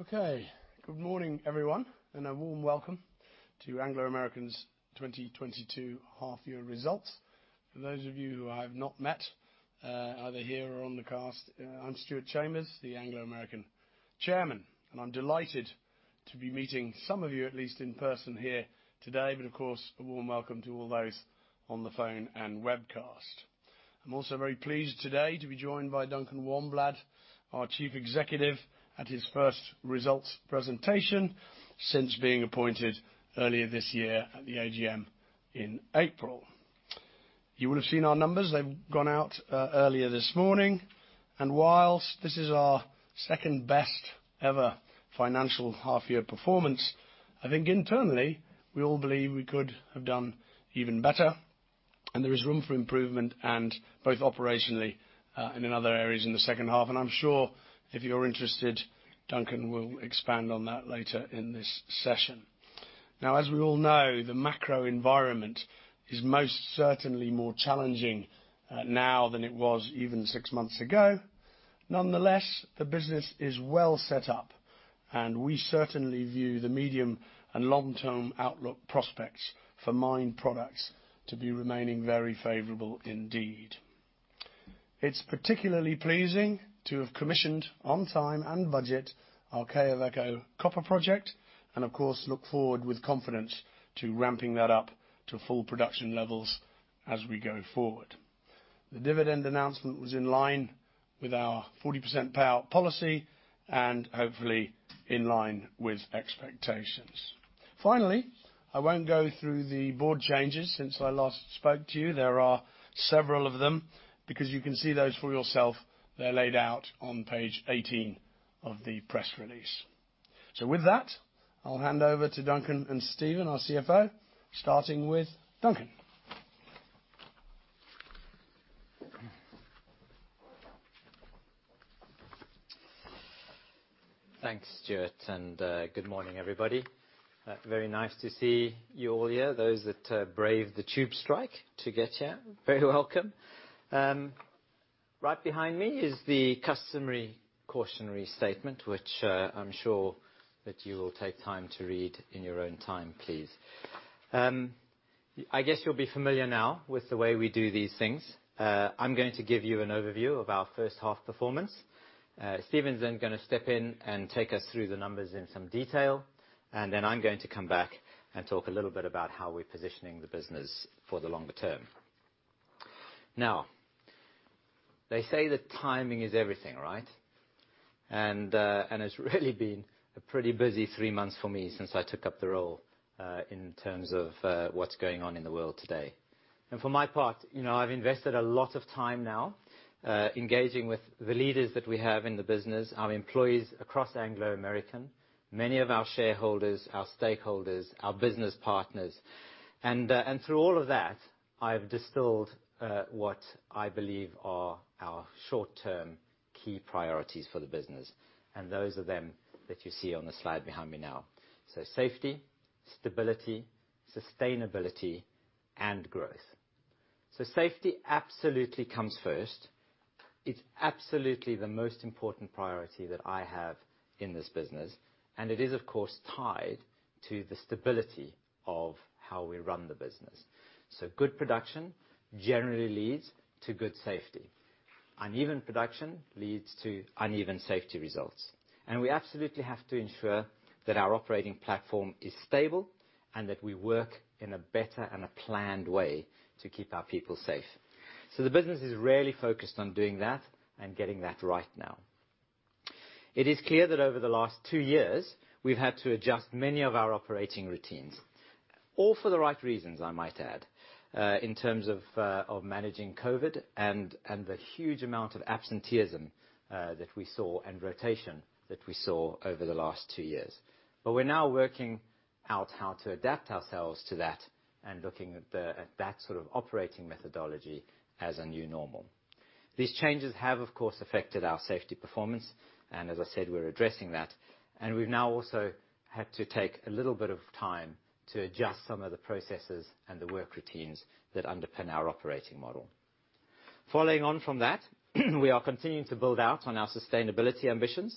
Okay. Good morning, everyone, and a warm Welcome To Anglo American's 2022 Half-Year results. For those of you who I've not met, either here or on the webcast, I'm Stuart Chambers, the Anglo American Chairman, and I'm delighted to be meeting some of you at least in person here today. Of course, a warm welcome to all those on the phone and webcast. I'm also very pleased today to be joined by Duncan Wanblad, our Chief Executive, at his first results presentation since being appointed earlier this year at the AGM in April. You will have seen our numbers. They've gone out earlier this morning. Whilst this is our second-best ever financial half-year performance, I think internally we all believe we could have done even better, and there is room for improvement and both operationally and in other areas in the second half. I'm sure if you're interested, Duncan will expand on that later in this session. Now, as we all know, the macro environment is most certainly more challenging now than it was even six months ago. Nonetheless, the business is well set up, and we certainly view the medium and long-term outlook prospects for mine products to be remaining very favorable indeed. It's particularly pleasing to have commissioned on time and budget our Quellaveco copper project, and of course, look forward with confidence to ramping that up to full production levels as we go forward. The dividend announcement was in line with our 40% payout policy and hopefully in line with expectations. Finally, I won't go through the board changes since I last spoke to you. There are several of them because you can see those for yourself. They're laid out on page 18 of the press release. With that, I'll hand over to Duncan and Stephen, our CFO, starting with Duncan. Thanks, Stuart, and good morning, everybody. Very nice to see you all here. Those that braved the tube strike to get here, very welcome. Right behind me is the customary cautionary statement, which I'm sure that you will take time to read in your own time, please. I guess you'll be familiar now with the way we do these things. I'm going to give you an overview of our first half performance. Stephen's then gonna step in and take us through the numbers in some detail, and then I'm going to come back and talk a little bit about how we're positioning the business for the longer term. Now, they say that timing is everything, right? It's really been a pretty busy three months for me since I took up the role, in terms of, what's going on in the world today. For my part, you know, I've invested a lot of time now, engaging with the leaders that we have in the business, our employees across Anglo American, many of our shareholders, our stakeholders, our business partners. Through all of that, I've distilled, what I believe are our short-term key priorities for the business, and those are them that you see on the slide behind me now. Safety, stability, sustainability and growth. Safety absolutely comes first. It's absolutely the most important priority that I have in this business, and it is, of course, tied to the stability of how we run the business. Good production generally leads to good safety. Uneven production leads to uneven safety results. We absolutely have to ensure that our operating platform is stable and that we work in a better and a planned way to keep our people safe. The business is really focused on doing that and getting that right now. It is clear that over the last two years we've had to adjust many of our operating routines, all for the right reasons I might add, in terms of managing COVID and the huge amount of absenteeism that we saw and rotation that we saw over the last two years. We're now working out how to adapt ourselves to that and looking at that sort of operating methodology as a new normal. These changes have, of course, affected our safety performance, and as I said, we're addressing that. We've now also had to take a little bit of time to adjust some of the processes and the work routines that underpin our operating model. Following on from that, we are continuing to build out on our sustainability ambitions.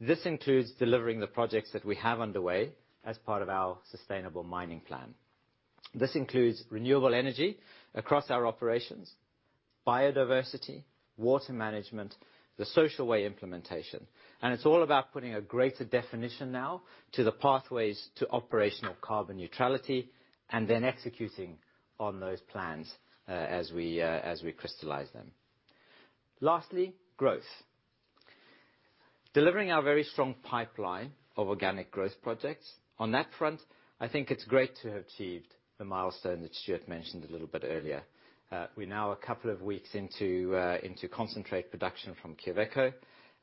This includes delivering the projects that we have underway as part of our Sustainable Mining Plan. This includes renewable energy across our operations, biodiversity, water management, the Social Way implementation, and it's all about putting a greater definition now to the pathways to operational carbon neutrality and then executing on those plans, as we crystallize them. Lastly, growth. Delivering our very strong pipeline of organic growth projects. On that front, I think it's great to have achieved the milestone that Stuart mentioned a little bit earlier. We're now a couple of weeks into concentrate production from Quellaveco,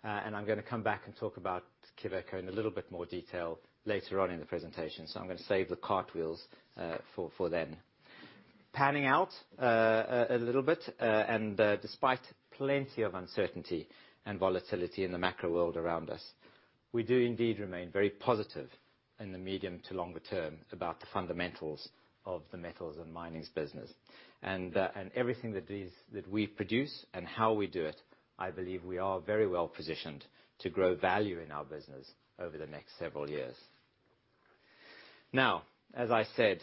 and I'm gonna come back and talk about Quellaveco in a little bit more detail later on in the presentation, so I'm gonna save the cartwheels for then. Panning out a little bit, despite plenty of uncertainty and volatility in the macro world around us. We do indeed remain very positive in the medium to longer term about the fundamentals of the metals and mining business. Everything that we produce and how we do it, I believe we are very well positioned to grow value in our business over the next several years. Now, as I said,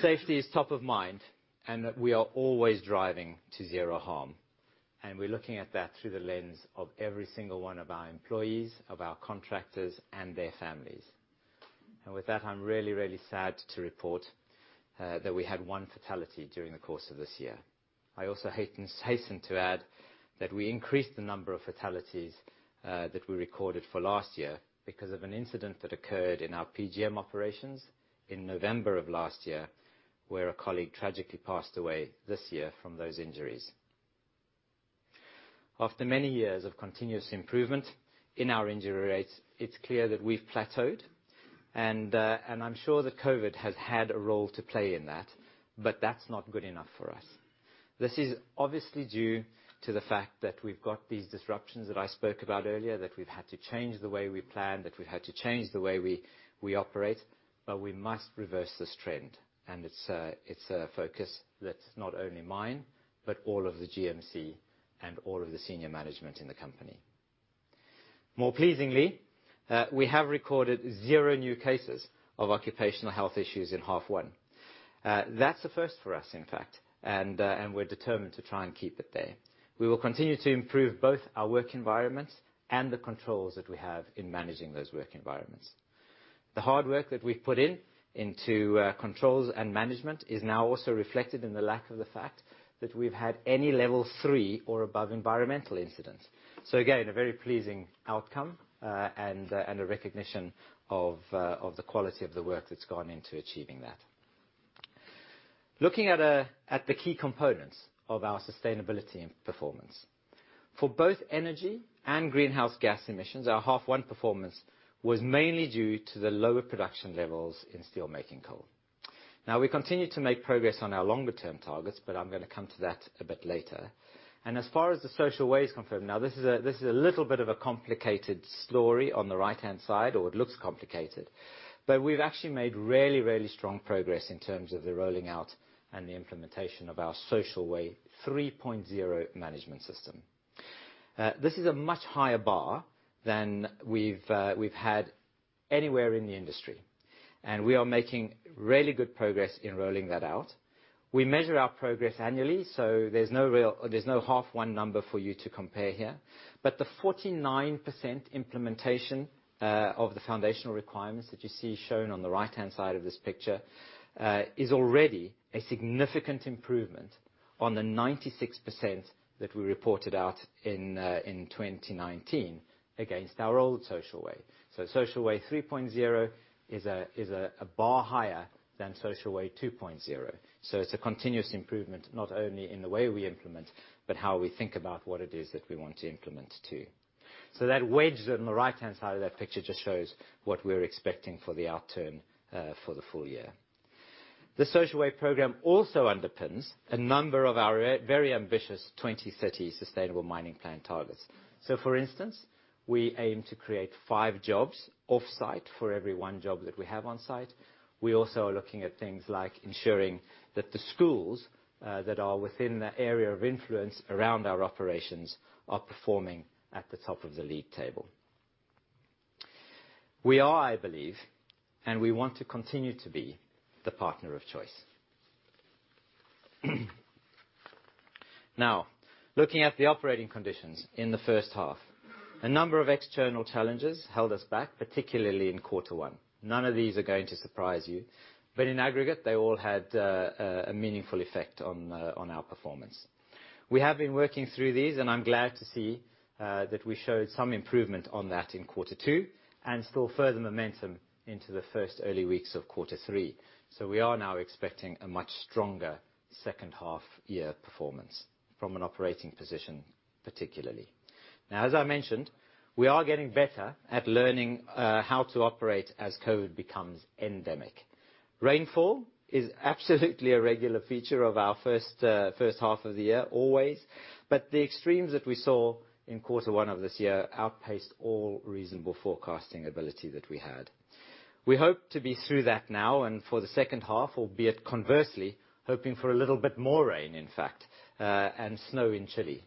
safety is top of mind, and that we are always driving to zero harm. We're looking at that through the lens of every single one of our employees, of our contractors, and their families. With that, I'm really, really sad to report that we had one fatality during the course of this year. I also hasten to add that we increased the number of fatalities that we recorded for last year because of an incident that occurred in our PGM operations in November of last year, where a colleague tragically passed away this year from those injuries. After many years of continuous improvement in our injury rates, it's clear that we've plateaued, and and I'm sure that COVID has had a role to play in that, but that's not good enough for us. This is obviously due to the fact that we've got these disruptions that I spoke about earlier, that we've had to change the way we plan, that we've had to change the way we operate, but we must reverse this trend. It's a focus that's not only mine, but all of the GMC and all of the senior management in the company. More pleasingly, we have recorded zero new cases of occupational health issues in half one. That's a first for us in fact, and we're determined to try and keep it there. We will continue to improve both our work environments and the controls that we have in managing those work environments. The hard work that we've put into controls and management is now also reflected in the lack of the fact that we've had any level three or above environmental incidents. Again, a very pleasing outcome, and a recognition of the quality of the work that's gone into achieving that. Looking at the key components of our sustainability and performance. For both energy and greenhouse gas emissions, our half one performance was mainly due to the lower production levels in steelmaking coal. We continue to make progress on our longer term targets, but I'm gonna come to that a bit later. As far as the Social Way conformance, now this is a little bit of a complicated story on the right-hand side, or it looks complicated, but we've actually made really, really strong progress in terms of the rolling out and the implementation of our Social Way 3.0 management system. This is a much higher bar than we've had anywhere in the industry. We are making really good progress in rolling that out. We measure our progress annually, so there's no H1 number for you to compare here. The 49% implementation of the foundational requirements that you see shown on the right-hand side of this picture is already a significant improvement on the 96% that we reported out in 2019 against our old Social Way. Social Way 3.0 is a bar higher than Social Way 2.0. It's a continuous improvement, not only in the way we implement, but how we think about what it is that we want to implement too. That wedge on the right-hand side of that picture just shows what we're expecting for the outturn for the full year. The Social Way program also underpins a number of our very ambitious 2030 Sustainable Mining Plan targets. For instance, we aim to create five jobs off-site for every one job that we have on site. We also are looking at things like ensuring that the schools that are within the area of influence around our operations are performing at the top of the league table. We are, I believe, and we want to continue to be the partner of choice. Now, looking at the operating conditions in the first half, a number of external challenges held us back, particularly in quarter one. None of these are going to surprise you, but in aggregate, they all had a meaningful effect on our performance. We have been working through these, and I'm glad to see that we showed some improvement on that in quarter two, and still further momentum into the first early weeks of quarter three. We are now expecting a much stronger second half year performance from an operating position, particularly. Now, as I mentioned, we are getting better at learning how to operate as COVID becomes endemic. Rainfall is absolutely a regular feature of our first half of the year always, but the extremes that we saw in quarter one of this year outpaced all reasonable forecasting ability that we had. We hope to be through that now and for the second half, albeit conversely, hoping for a little bit more rain, in fact, and snow in Chile.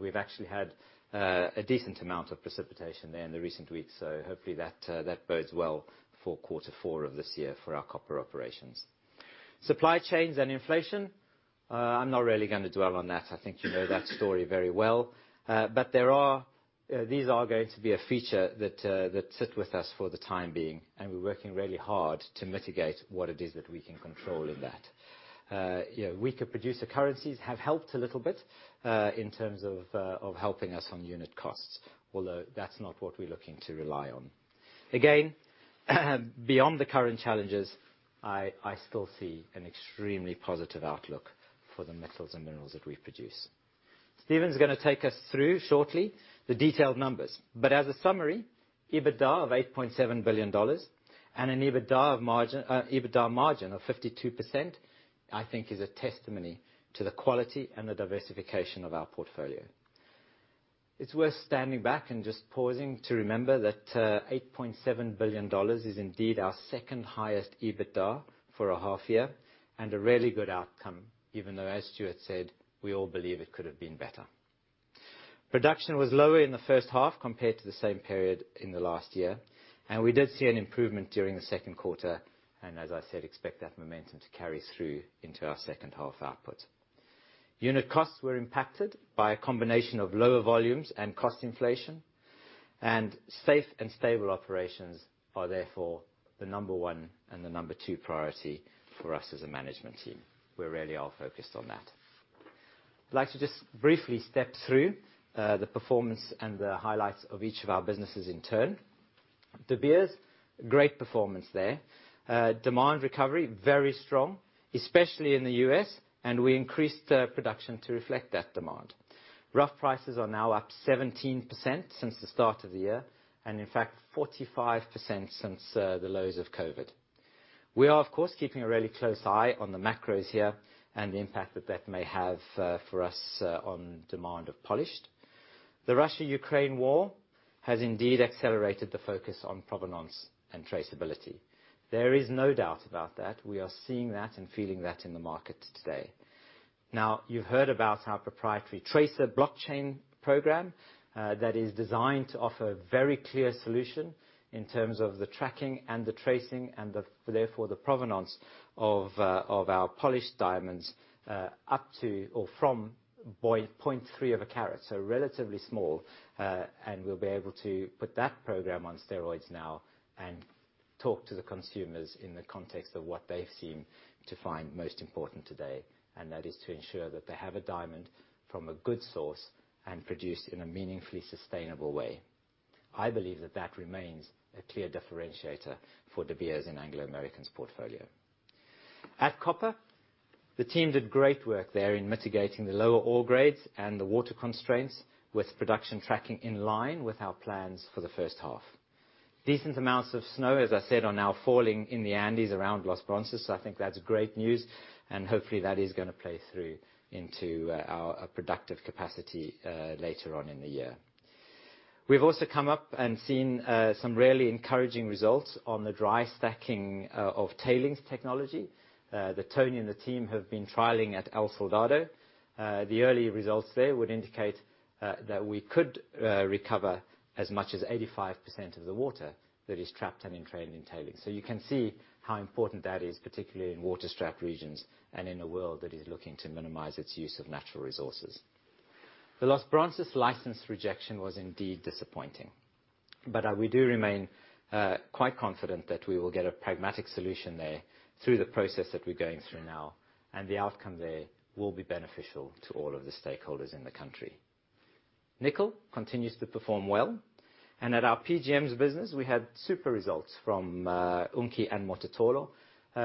We've actually had a decent amount of precipitation there in the recent weeks, so hopefully that bodes well for quarter four of this year for our copper operations. Supply chains and inflation, I'm not really gonna dwell on that. I think you know that story very well. These are going to be a feature that sit with us for the time being, and we're working really hard to mitigate what it is that we can control in that. You know, weaker producer currencies have helped a little bit in terms of helping us on unit costs, although that's not what we're looking to rely on. Again, beyond the current challenges, I still see an extremely positive outlook for the metals and minerals that we produce. Stephen's gonna take us through shortly the detailed numbers. As a summary EBITDA of $8.7 billion and an EBITDA margin of 52%, I think is a testimony to the quality and the diversification of our portfolio. It's worth standing back and just pausing to remember that $8.7 billion is indeed our second-highest EBITDA for a half year, and a really good outcome, even though, as Stuart said, we all believe it could have been better. Production was lower in the first half compared to the same period in the last year, and we did see an improvement during the second quarter, and as I said, expect that momentum to carry through into our second half output. Unit costs were impacted by a combination of lower volumes and cost inflation, and safe and stable operations are therefore the number one and the number two priority for us as a management team. We really are focused on that. I'd like to just briefly step through the performance and the highlights of each of our businesses in turn. De Beers, great performance there. Demand recovery, very strong, especially in the US, and we increased the production to reflect that demand. Rough prices are now up 17% since the start of the year, and in fact, 45% since the lows of COVID. We are, of course, keeping a really close eye on the macros here and the impact that that may have for us on demand of polished. The Russia-Ukraine war has indeed accelerated the focus on provenance and traceability. There is no doubt about that. We are seeing that and feeling that in the market today. You've heard about our proprietary Tracr blockchain program that is designed to offer a very clear solution in terms of the tracking and the tracing and therefore the provenance of our polished diamonds up to or from 0.3 of a carat, so relatively small. We'll be able to put that program on steroids now and talk to the consumers in the context of what they seem to find most important today. That is to ensure that they have a diamond from a good source and produced in a meaningfully sustainable way. I believe that remains a clear differentiator for De Beers in Anglo American's portfolio. At Copper, the team did great work there in mitigating the lower ore grades and the water constraints with production tracking in line with our plans for the first half. Decent amounts of snow, as I said, are now falling in the Andes around Los Bronces. I think that's great news, and hopefully, that is gonna play through into our productive capacity later on in the year. We've also come up and seen some really encouraging results on the dry stacking of tailings technology that Tony and the team have been trialing at El Soldado. The early results there would indicate that we could recover as much as 85% of the water that is trapped and entrained in tailings. You can see how important that is, particularly in water-strapped regions and in a world that is looking to minimize its use of natural resources. The Los Bronces license rejection was indeed disappointing, but we do remain quite confident that we will get a pragmatic solution there through the process that we're going through now, and the outcome there will be beneficial to all of the stakeholders in the country. Nickel continues to perform well, and at our PGMs business, we had super results from Unki and Mototolo,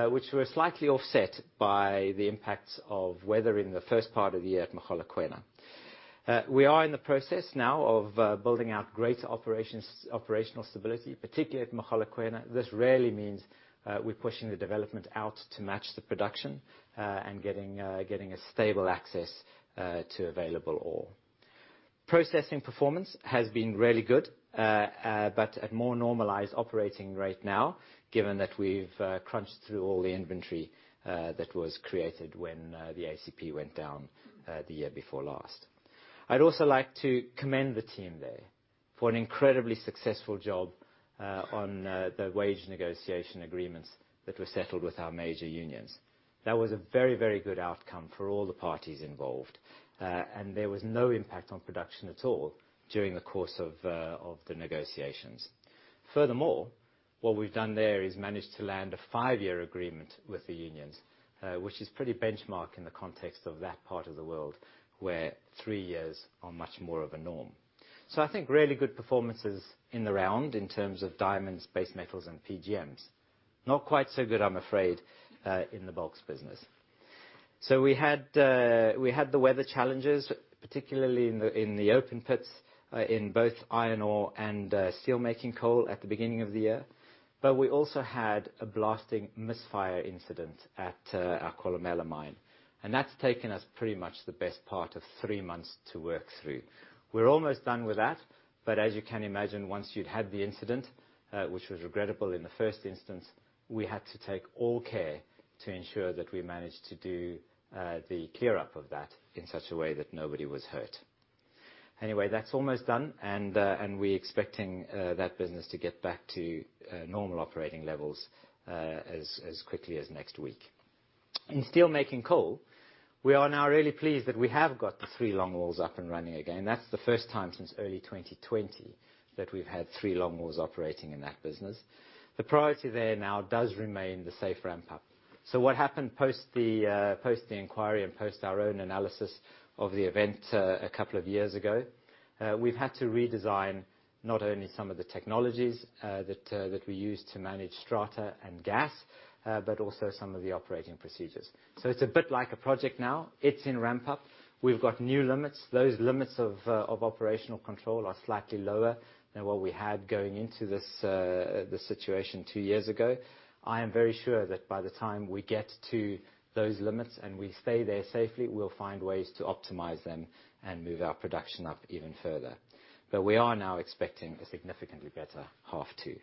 which were slightly offset by the impacts of weather in the first part of the year at Mogalakwena. We are in the process now of building out greater operations, operational stability, particularly at Mogalakwena. This really means we're pushing the development out to match the production, and getting a stable access to available ore. Processing performance has been really good, but at more normalized operating rate now, given that we've crunched through all the inventory that was created when the ACP went down the year before last. I'd also like to commend the team there for an incredibly successful job on the wage negotiation agreements that were settled with our major unions. That was a very, very good outcome for all the parties involved. There was no impact on production at all during the course of the negotiations. Furthermore, what we've done there is managed to land a five-year agreement with the unions, which is pretty benchmark in the context of that part of the world, where three years are much more of a norm. I think really good performances in the round in terms of diamonds, base metals, and PGMs. Not quite so good, I'm afraid, in the bulks business. We had the weather challenges, particularly in the open pits, in both iron ore and steel-making coal at the beginning of the year. We also had a blasting misfire incident at our Kolomela mine, and that's taken us pretty much the best part of three months to work through. We're almost done with that, but as you can imagine, once you'd had the incident, which was regrettable in the first instance, we had to take all care to ensure that we managed to do the clear-up of that in such a way that nobody was hurt. Anyway, that's almost done, and we're expecting that business to get back to normal operating levels as quickly as next week. In steelmaking coal, we are now really pleased that we have got the three long walls up and running again. That's the first time since early 2020 that we've had three long walls operating in that business. The priority there now does remain the safe ramp up. What happened post the inquiry and post our own analysis of the event a couple of years ago, we've had to redesign not only some of the technologies that we use to manage strata and gas, but also some of the operating procedures. It's a bit like a project now. It's in ramp up. We've got new limits. Those limits of operational control are slightly lower than what we had going into this situation two years ago. I am very sure that by the time we get to those limits, and we stay there safely, we'll find ways to optimize them and move our production up even further. We are now expecting a significantly better half two.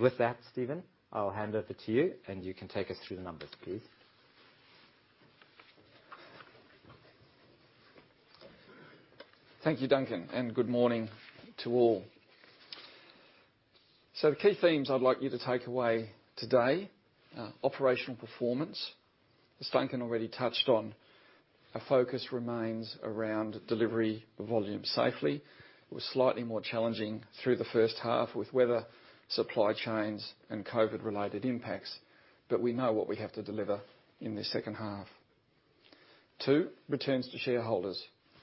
With that, Stephen, I'll hand over to you, and you can take us through the numbers, please. Thank you, Duncan, and good morning to all. The key themes I'd like you to take away today, operational performance, as Duncan already touched on, our focus remains around delivery of volume safely. It was slightly more challenging through the first half with weather, supply chains, and COVID-related impacts. We know what we have to deliver in the second half. Two, returns to shareholders.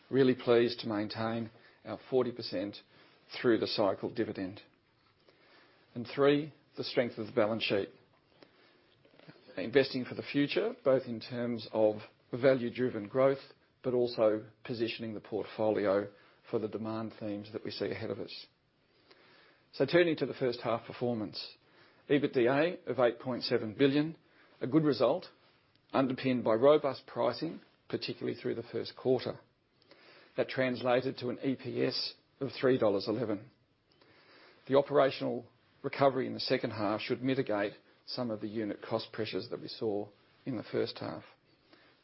Really pleased to maintain our 40% through-the-cycle dividend. Three, the strength of the balance sheet. Investing for the future, both in terms of value-driven growth, but also positioning the portfolio for the demand themes that we see ahead of us. Turning to the first half performance. EBITDA of $8.7 billion, a good result underpinned by robust pricing, particularly through the first quarter. That translated to an EPS of $3.11. The operational recovery in the second half should mitigate some of the unit cost pressures that we saw in the first half.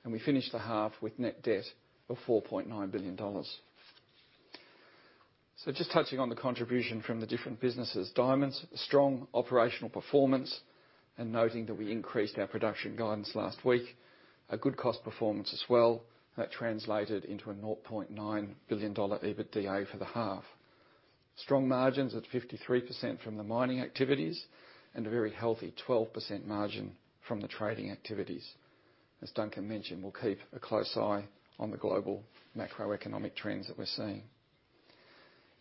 We finished the half with net debt of $4.9 billion. Just touching on the contribution from the different businesses. Diamonds, strong operational performance, and noting that we increased our production guidance last week. A good cost performance as well, that translated into a $0.9 billion EBITDA for the half. Strong margins at 53% from the mining activities, and a very healthy 12% margin from the trading activities. As Duncan mentioned, we'll keep a close eye on the global macroeconomic trends that we're seeing.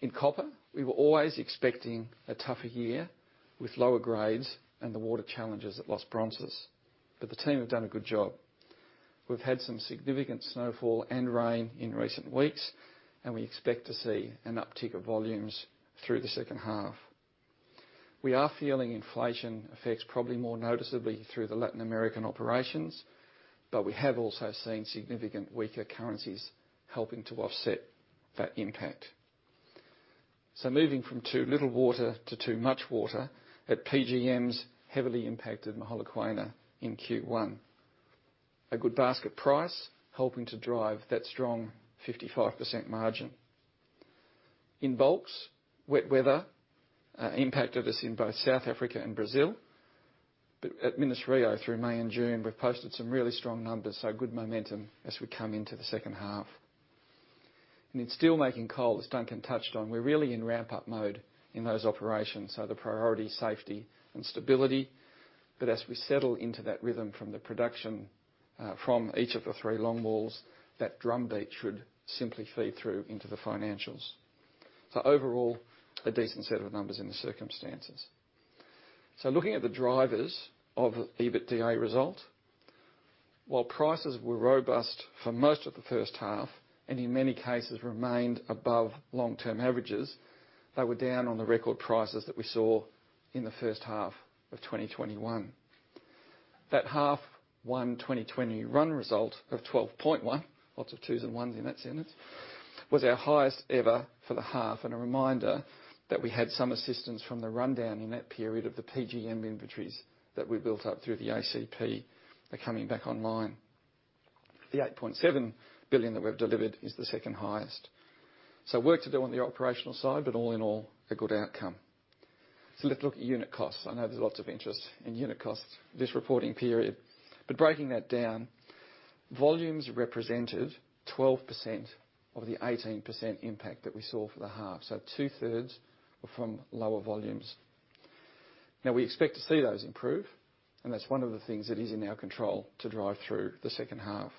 In copper, we were always expecting a tougher year with lower grades and the water challenges at Los Bronces, but the team have done a good job. We've had some significant snowfall and rain in recent weeks, and we expect to see an uptick of volumes through the second half. We are feeling inflation effects probably more noticeably through the Latin American operations, but we have also seen significant weaker currencies helping to offset that impact. Moving from too little water to too much water, at PGMs heavily impacted Mogalakwena in Q1. A good basket price helping to drive that strong 55% margin. In bulks, wet weather impacted us in both South Africa and Brazil. At Minas Rio through May and June, we've posted some really strong numbers. Good momentum as we come into the second half. In steelmaking coal, as Duncan touched on, we're really in ramp-up mode in those operations. The priority is safety and stability. As we settle into that rhythm from the production, from each of the three long walls, that drum beat should simply feed through into the financials. Overall, a decent set of numbers in the circumstances. Looking at the drivers of the EBITDA result. While prices were robust for most of the first half, and in many cases remained above long-term averages, they were down on the record prices that we saw in the first half of 2021. That H1 2020 run result of $12.1 billion, lots of twos and ones in that sentence, was our highest ever for the half, and a reminder that we had some assistance from the rundown in that period of the PGM inventories that we built up through the ACP are coming back online. The $8.7 billion that we've delivered is the second highest. Work to do on the operational side, but all in all, a good outcome. Let's look at unit costs. I know there's lots of interest in unit costs this reporting period. Breaking that down, volumes represented 12% of the 18% impact that we saw for the half. Two-thirds were from lower volumes. Now, we expect to see those improve, and that's one of the things that is in our control to drive through the second half.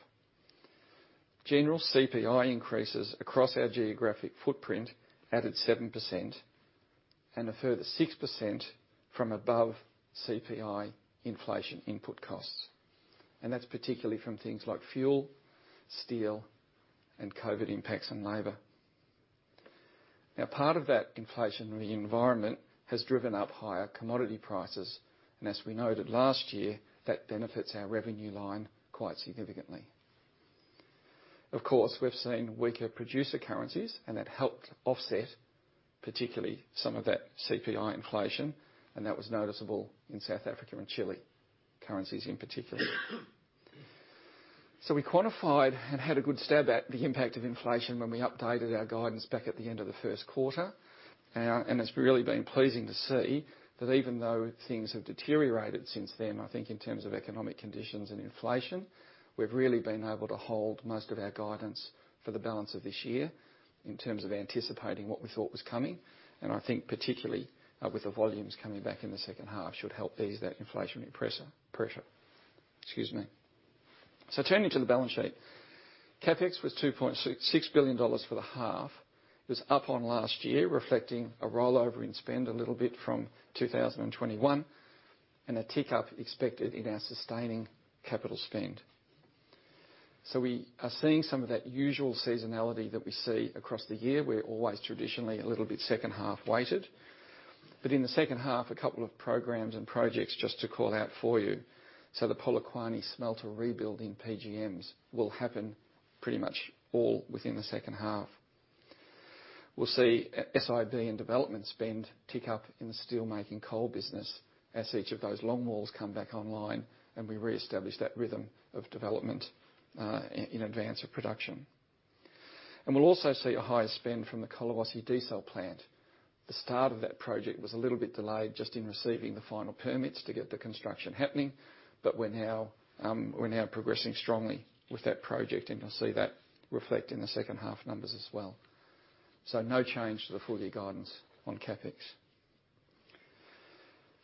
General CPI increases across our geographic footprint added 7% and a further 6% from above CPI inflation input costs. That's particularly from things like fuel, steel, and COVID impacts on labor. Now, part of that inflationary environment has driven up higher commodity prices, and as we noted last year, that benefits our revenue line quite significantly. Of course, we've seen weaker producer currencies, and that helped offset particularly some of that CPI inflation, and that was noticeable in South Africa and Chile, currencies in particular. We quantified and had a good stab at the impact of inflation when we updated our guidance back at the end of the first quarter. It's really been pleasing to see that even though things have deteriorated since then, I think in terms of economic conditions and inflation, we've really been able to hold most of our guidance for the balance of this year in terms of anticipating what we thought was coming. I think particularly, with the volumes coming back in the second half should help ease that inflationary pressure. Excuse me. Turning to the balance sheet. CapEx was $2.66 billion for the half. It's up on last year, reflecting a rollover in spend a little bit from 2021, and a tick up expected in our sustaining capital spend. We are seeing some of that usual seasonality that we see across the year. We're always traditionally a little bit second half weighted. In the second half, a couple of programs and projects just to call out for you. The Polokwane smelter rebuild in PGMs will happen pretty much all within the second half. We'll see SIB and development spend tick up in the steelmaking coal business as each of those long walls come back online, and we reestablish that rhythm of development in advance of production. We'll also see a higher spend from the Quellaveco diesel plant. The start of that project was a little bit delayed just in receiving the final permits to get the construction happening. We're now progressing strongly with that project, and we'll see that reflect in the second-half numbers as well. No change to the full-year guidance on CapEx.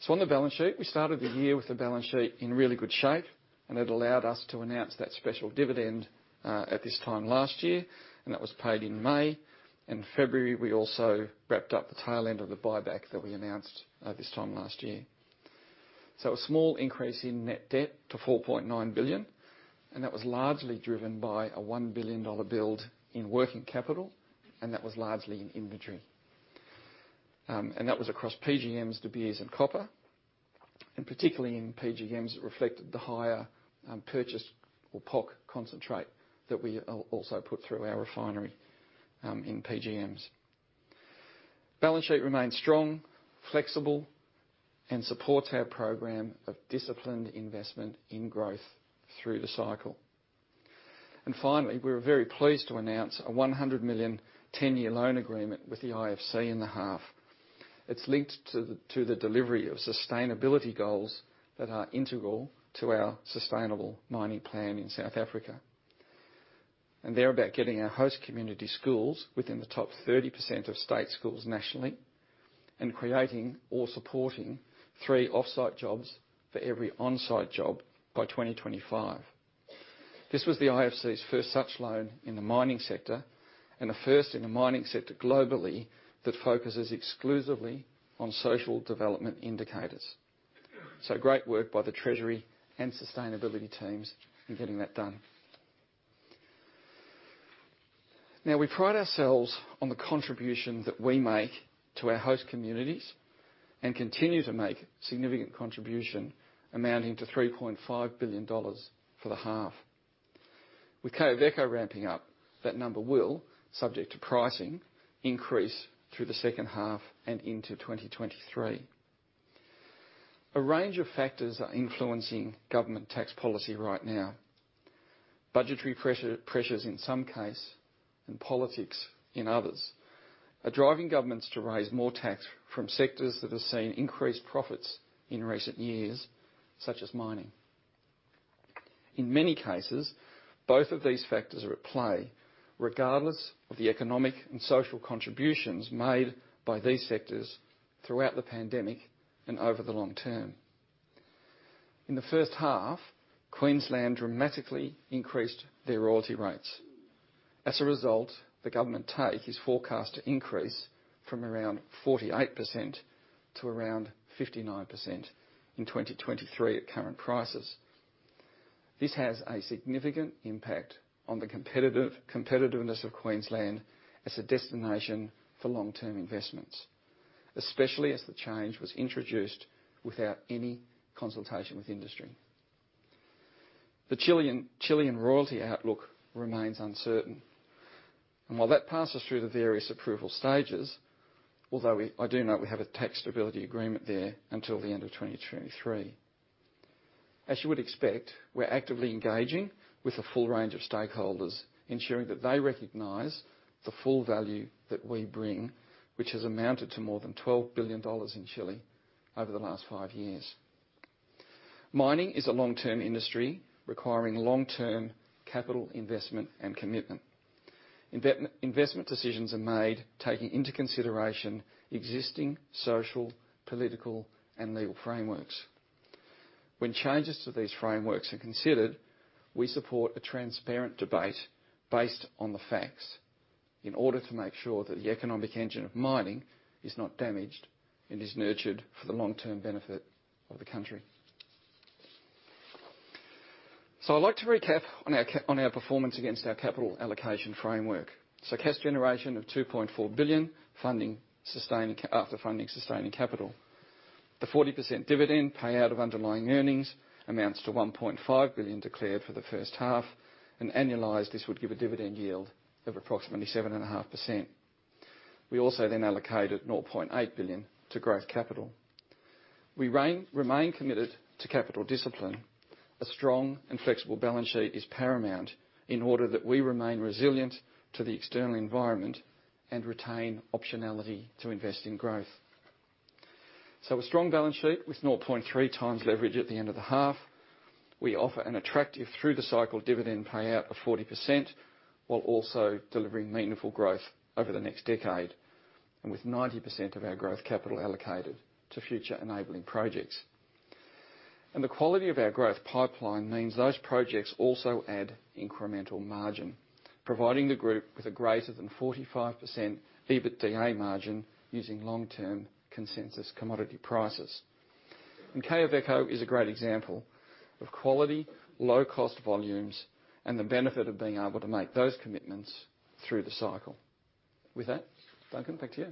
On the balance sheet, we started the year with the balance sheet in really good shape, and it allowed us to announce that special dividend at this time last year, and that was paid in May. In February, we also wrapped up the tail end of the buyback that we announced at this time last year. A small increase in net debt to $4.9 billion, and that was largely driven by a $1 billion build in working capital, and that was largely in inventory. That was across PGMs, De Beers, and copper, and particularly in PGMs, it reflected the higher purchased POC concentrate that we also put through our refinery in PGMs. Balance sheet remains strong, flexible, and supports our program of disciplined investment in growth through the cycle. Finally, we're very pleased to announce a $100 million, ten-year loan agreement with the IFC in the half. It's linked to the delivery of sustainability goals that are integral to our Sustainable Mining Plan in South Africa. They're about getting our host community schools within the top 30% of state schools nationally and creating or supporting three off-site jobs for every on-site job by 2025. This was the IFC's first such loan in the mining sector, and a first in the mining sector globally that focuses exclusively on social development indicators. Great work by the treasury and sustainability teams in getting that done. Now, we pride ourselves on the contribution that we make to our host communities and continue to make significant contribution amounting to $3.5 billion for the half. With Quellaveco ramping up, that number will, subject to pricing, increase through the second half and into 2023. A range of factors are influencing government tax policy right now. Budgetary pressures in some cases and politics in others are driving governments to raise more tax from sectors that have seen increased profits in recent years, such as mining. In many cases, both of these factors are at play regardless of the economic and social contributions made by these sectors throughout the pandemic and over the long term. In the first half, Queensland dramatically increased their royalty rates. As a result, the government take is forecast to increase from around 48% to around 59% in 2023 at current prices. This has a significant impact on the competitiveness of Queensland as a destination for long-term investments, especially as the change was introduced without any consultation with industry. The Chilean royalty outlook remains uncertain. While that passes through the various approval stages, I do note we have a tax stability agreement there until the end of 2023. As you would expect, we're actively engaging with a full range of stakeholders, ensuring that they recognize the full value that we bring, which has amounted to more than $12 billion in Chile over the last 5 years. Mining is a long-term industry requiring long-term capital investment and commitment. Investment decisions are made taking into consideration existing social, political, and legal frameworks. When changes to these frameworks are considered, we support a transparent debate based on the facts in order to make sure that the economic engine of mining is not damaged and is nurtured for the long-term benefit of the country. I'd like to recap on our performance against our capital allocation framework. Cash generation of $2.4 billion after funding sustaining capital. The 40% dividend payout of underlying earnings amounts to $1.5 billion declared for the first half. Annualized, this would give a dividend yield of approximately 7.5%. We also allocated $0.8 billion to growth capital. We remain committed to capital discipline. A strong and flexible balance sheet is paramount in order that we remain resilient to the external environment and retain optionality to invest in growth. A strong balance sheet with 0.3 times leverage at the end of the half. We offer an attractive through the cycle dividend payout of 40%, while also delivering meaningful growth over the next decade, and with 90% of our growth capital allocated to future enabling projects. The quality of our growth pipeline means those projects also add incremental margin, providing the group with a greater than 45% EBITDA margin using long-term consensus commodity prices. Quellaveco is a great example of quality, low cost volumes, and the benefit of being able to make those commitments through the cycle. With that, Duncan, back to you.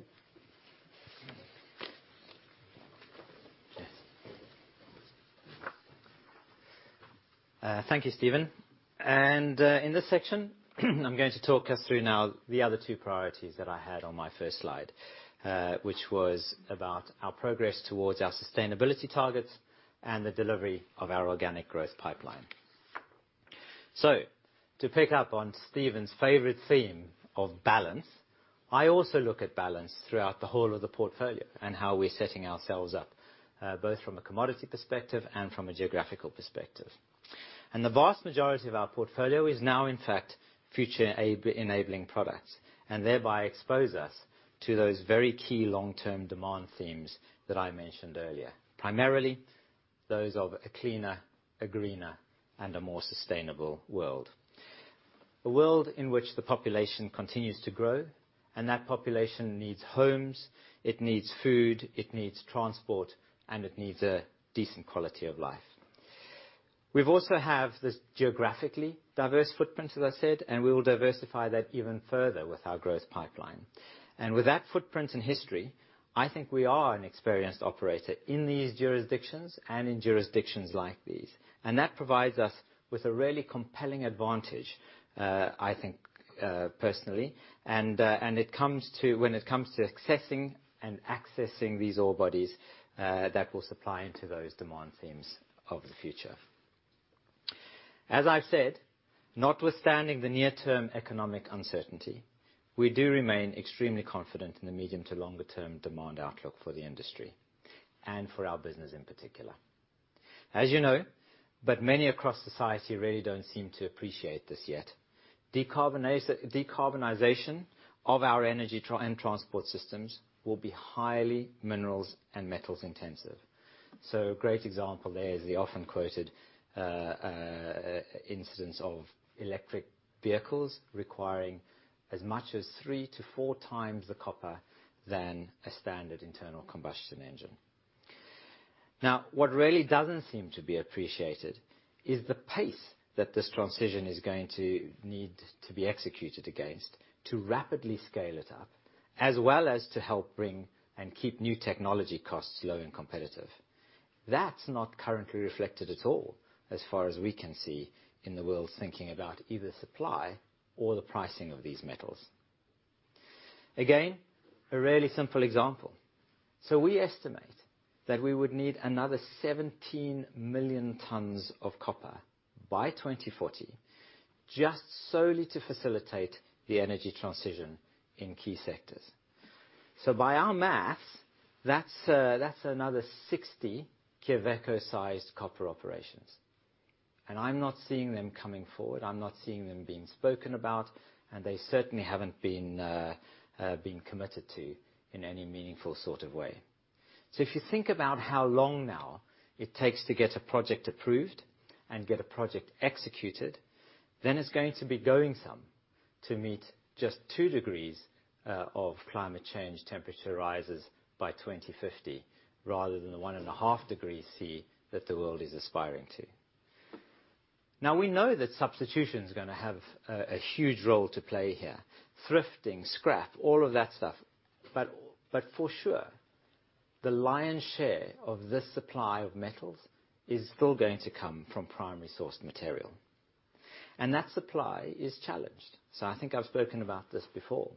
Thank you, Stephen. In this section, I'm going to talk us through now the other two priorities that I had on my first slide, which was about our progress towards our sustainability targets and the delivery of our organic growth pipeline. To pick up on Stephen's favorite theme of balance, I also look at balance throughout the whole of the portfolio and how we're setting ourselves up, both from a commodity perspective and from a geographical perspective. The vast majority of our portfolio is now, in fact, future enabling products, and thereby expose us to those very key long-term demand themes that I mentioned earlier. Primarily, those of a cleaner, a greener, and a more sustainable world. A world in which the population continues to grow, and that population needs homes, it needs food, it needs transport, and it needs a decent quality of life. We've also have this geographically diverse footprint, as I said, and we will diversify that even further with our growth pipeline. With that footprint and history, I think we are an experienced operator in these jurisdictions and in jurisdictions like these. That provides us with a really compelling advantage, I think, personally. When it comes to assessing and accessing these ore bodies, that will supply into those demand themes of the future. As I've said, notwithstanding the near-term economic uncertainty, we do remain extremely confident in the medium to longer term demand outlook for the industry and for our business in particular. As you know, but many across society really don't seem to appreciate this yet, decarbonization of our energy and transport systems will be highly minerals and metals intensive. A great example there is the often quoted instance of electric vehicles requiring as much as 3-4 times the copper than a standard internal combustion engine. Now, what really doesn't seem to be appreciated is the pace that this transition is going to need to be executed against to rapidly scale it up, as well as to help bring and keep new technology costs low and competitive. That's not currently reflected at all as far as we can see in the world's thinking about either supply or the pricing of these metals. Again, a really simple example. We estimate that we would need another 17 million tons of copper by 2040, just solely to facilitate the energy transition in key sectors. By our math, that's another 60 Quellaveco-sized copper operations. I'm not seeing them coming forward, I'm not seeing them being spoken about, and they certainly haven't been committed to in any meaningful sort of way. If you think about how long now it takes to get a project approved and get a project executed, then it's going to be going some to meet just 2 degrees of climate change temperature rises by 2050, rather than the 1.5 degrees C that the world is aspiring to. Now, we know that substitution is gonna have a huge role to play here. Thrifting, scrap, all of that stuff. For sure, the lion's share of this supply of metals is still going to come from primary source material. That supply is challenged. I think I've spoken about this before.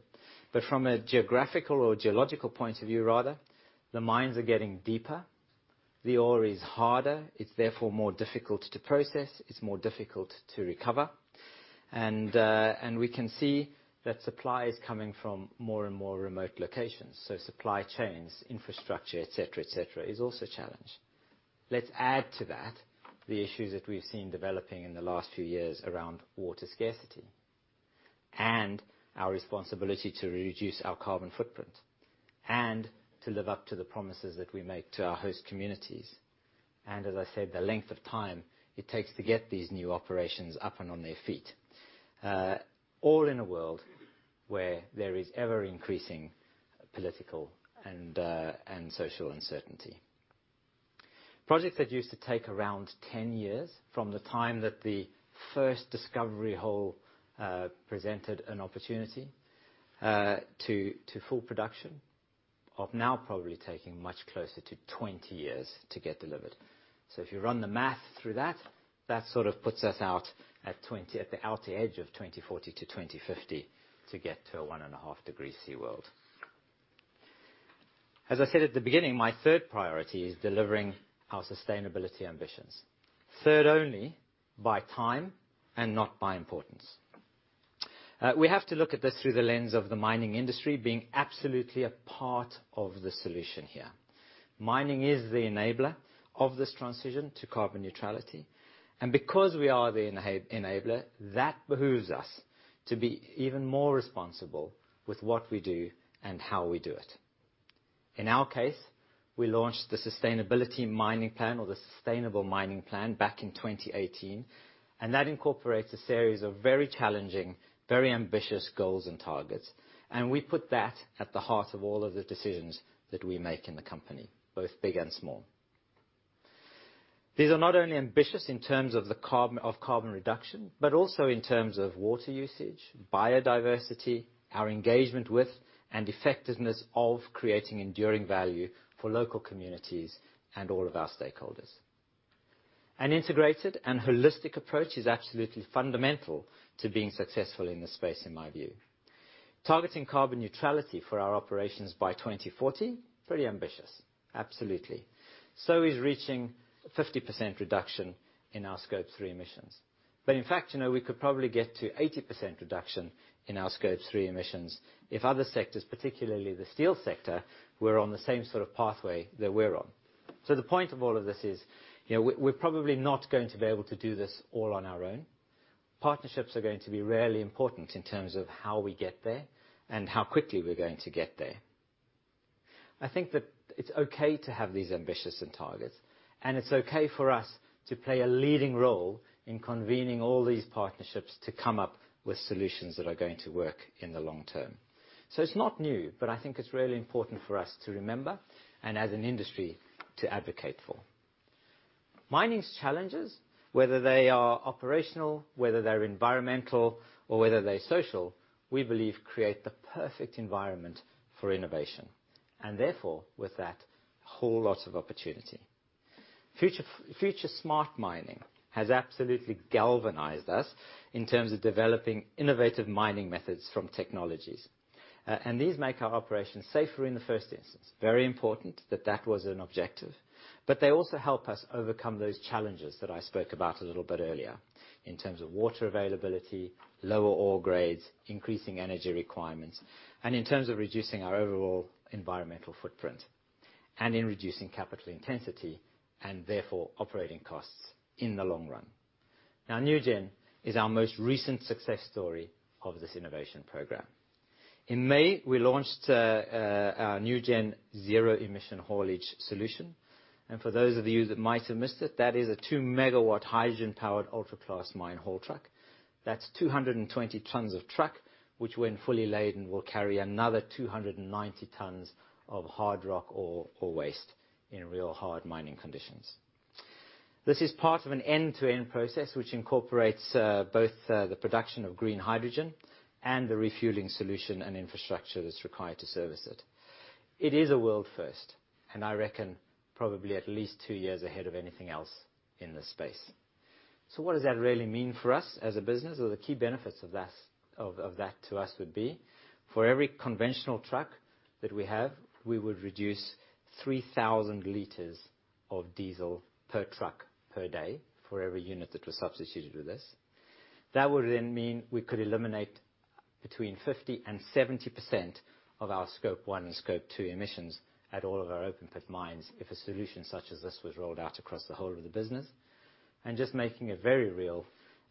From a geographical or geological point of view rather, the mines are getting deeper, the ore is harder, it's therefore more difficult to process, it's more difficult to recover. We can see that supply is coming from more and more remote locations, so supply chains, infrastructure, et cetera, is also challenged. Let's add to that the issues that we've seen developing in the last few years around water scarcity, and our responsibility to reduce our carbon footprint, and to live up to the promises that we make to our host communities. As I said, the length of time it takes to get these new operations up and on their feet, all in a world where there is ever-increasing political and social uncertainty. Projects that used to take around 10 years from the time that the first discovery hole presented an opportunity to full production are now probably taking much closer to 20 years to get delivered. If you run the math through that sort of puts us out at the outer edge of 2040 to 2050 to get to a 1.5 degree C world. As I said at the beginning, my third priority is delivering our sustainability ambitions. Third only by time and not by importance. We have to look at this through the lens of the mining industry being absolutely a part of the solution here. Mining is the enabler of this transition to carbon neutrality. Because we are the enabler, that behooves us to be even more responsible with what we do and how we do it. In our case, we launched the Sustainable Mining Plan, or the Sustainable Mining Plan, back in 2018. That incorporates a series of very challenging, very ambitious goals and targets. We put that at the heart of all of the decisions that we make in the company, both big and small. These are not only ambitious in terms of the carbon reduction, but also in terms of water usage, biodiversity, our engagement with and effectiveness of creating enduring value for local communities and all of our stakeholders. An integrated and holistic approach is absolutely fundamental to being successful in this space, in my view. Targeting carbon neutrality for our operations by 2040, pretty ambitious. Absolutely. Is reaching 50% reduction in our Scope 3 emissions. But in fact, you know, we could probably get to 80% reduction in our Scope 3 emissions if other sectors, particularly the steel sector, were on the same sort of pathway that we're on. The point of all of this is, you know, we're probably not going to be able to do this all on our own. Partnerships are going to be really important in terms of how we get there and how quickly we're going to get there. I think that it's okay to have these ambitious targets, and it's okay for us to play a leading role in convening all these partnerships to come up with solutions that are going to work in the long term. It's not new, but I think it's really important for us to remember and as an industry to advocate for. Mining's challenges, whether they are operational, whether they're environmental, or whether they're social, we believe create the perfect environment for innovation, and therefore, with that, whole lot of opportunity. FutureSmart Mining has absolutely galvanized us in terms of developing innovative mining methods from technologies. And these make our operations safer in the first instance. Very important that that was an objective. They also help us overcome those challenges that I spoke about a little bit earlier in terms of water availability, lower ore grades, increasing energy requirements, and in terms of reducing our overall environmental footprint, and in reducing capital intensity, and therefore operating costs in the long run. Now, nuGen is our most recent success story of this innovation program. In May, we launched our nuGen zero emission haulage solution. For those of you that might have missed it, that is a 2-megawatt hydrogen-powered ultra-class mine haul truck. That's 220 tons of truck, which when fully laden, will carry another 290 tons of hard rock or waste in real hard mining conditions. This is part of an end-to-end process which incorporates both the production of green hydrogen and the refueling solution and infrastructure that's required to service it. It is a world first, and I reckon probably at least 2 years ahead of anything else in this space. What does that really mean for us as a business or the key benefits of that to us would be for every conventional truck that we have, we would reduce 3,000 liters of diesel per truck per day for every unit that was substituted with this. That would then mean we could eliminate between 50% and 70% of our Scope 1 and Scope 2 emissions at all of our open pit mines if a solution such as this was rolled out across the whole of the business. Just making it very real,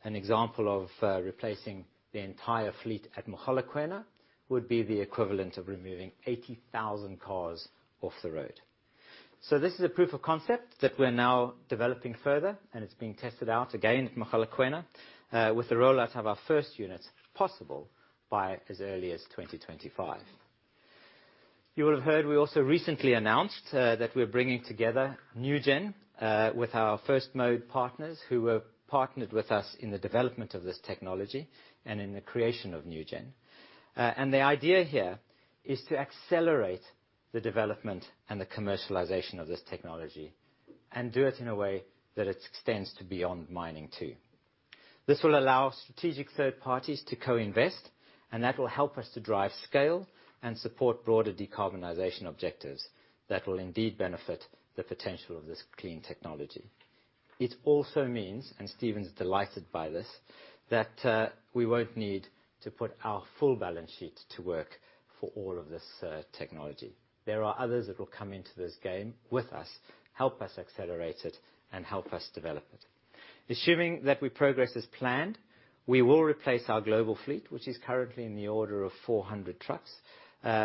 an example of replacing the entire fleet at Mogalakwena would be the equivalent of removing 80,000 cars off the road. This is a proof of concept that we're now developing further, and it's being tested out again at Mogalakwena with the rollout of our first unit possible by as early as 2025. You will have heard we also recently announced that we're bringing together nuGen with our First Mode partners who have partnered with us in the development of this technology and in the creation of nuGen. The idea here is to accelerate the development and the commercialization of this technology and do it in a way that it extends to beyond mining too. This will allow strategic third parties to co-invest, and that will help us to drive scale and support broader decarbonization objectives that will indeed benefit the potential of this clean technology. It also means, and Stephen's delighted by this, that we won't need to put our full balance sheet to work for all of this technology. There are others that will come into this game with us, help us accelerate it, and help us develop it. Assuming that we progress as planned, we will replace our global fleet, which is currently in the order of 400 trucks,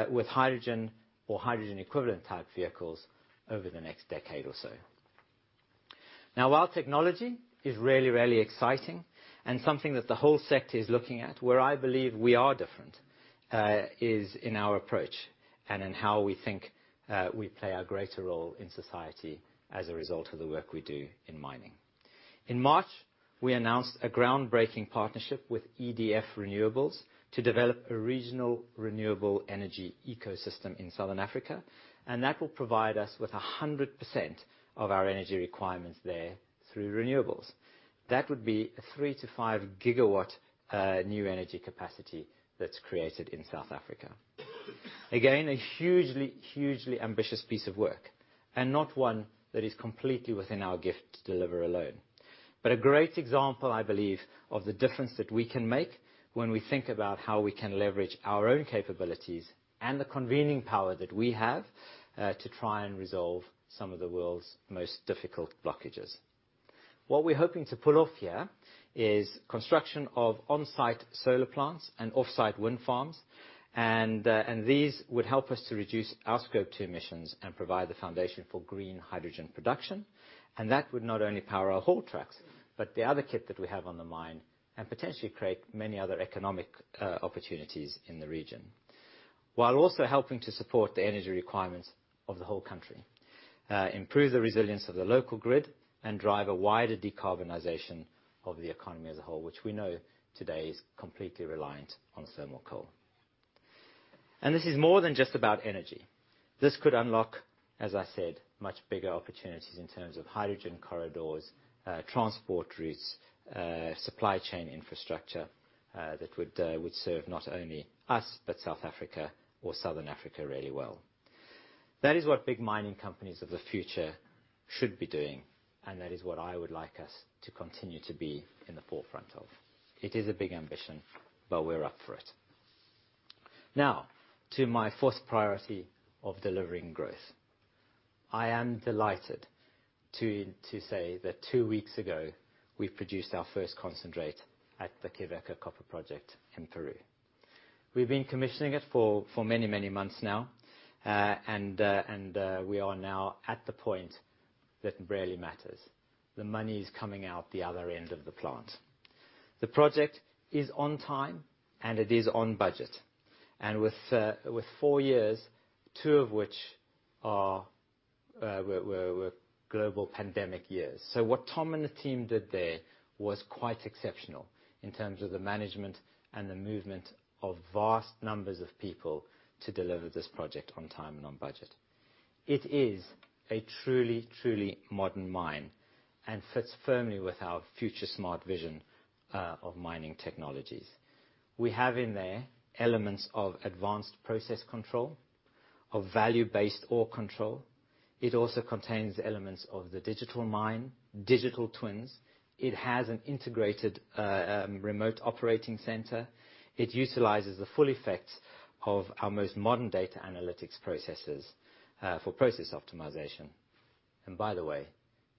with hydrogen or hydrogen equivalent type vehicles over the next decade or so. Now, while technology is really, really exciting and something that the whole sector is looking at, where I believe we are different, is in our approach and in how we think, we play a greater role in society as a result of the work we do in mining. In March, we announced a groundbreaking partnership with EDF Renewables to develop a regional renewable energy ecosystem in Southern Africa, and that will provide us with 100% of our energy requirements there through renewables. That would be a 3-5 gigawatt new energy capacity that's created in South Africa. Again, a hugely ambitious piece of work, and not one that is completely within our gift to deliver alone. A great example, I believe, of the difference that we can make when we think about how we can leverage our own capabilities and the convening power that we have, to try and resolve some of the world's most difficult blockages. What we're hoping to pull off here is construction of on-site solar plants and off-site wind farms, and these would help us to reduce our Scope 2 emissions and provide the foundation for green hydrogen production. That would not only power our haul trucks, but the other kit that we have on the mine and potentially create many other economic opportunities in the region, while also helping to support the energy requirements of the whole country, improve the resilience of the local grid, and drive a wider decarbonization of the economy as a whole, which we know today is completely reliant on thermal coal. This is more than just about energy. This could unlock, as I said, much bigger opportunities in terms of hydrogen corridors, transport routes, supply chain infrastructure, that would serve not only us, but South Africa or Southern Africa really well. That is what big mining companies of the future should be doing, and that is what I would like us to continue to be in the forefront of. It is a big ambition, but we're up for it. Now, to my first priority of delivering growth. I am delighted to say that two weeks ago, we produced our first concentrate at the Quellaveco Copper Project in Peru. We've been commissioning it for many months now. We are now at the point that really matters. The money is coming out the other end of the plant. The project is on time, and it is on budget with four years, two of which were global pandemic years. What Tom and the team did there was quite exceptional in terms of the management and the movement of vast numbers of people to deliver this project on time and on budget. It is a truly modern mine and fits firmly with our future smart vision of mining technologies. We have in there elements of advanced process control, of value-based ore control. It also contains elements of the digital mine, digital twins. It has an integrated remote operating center. It utilizes the full effect of our most modern data analytics processes for process optimization. By the way,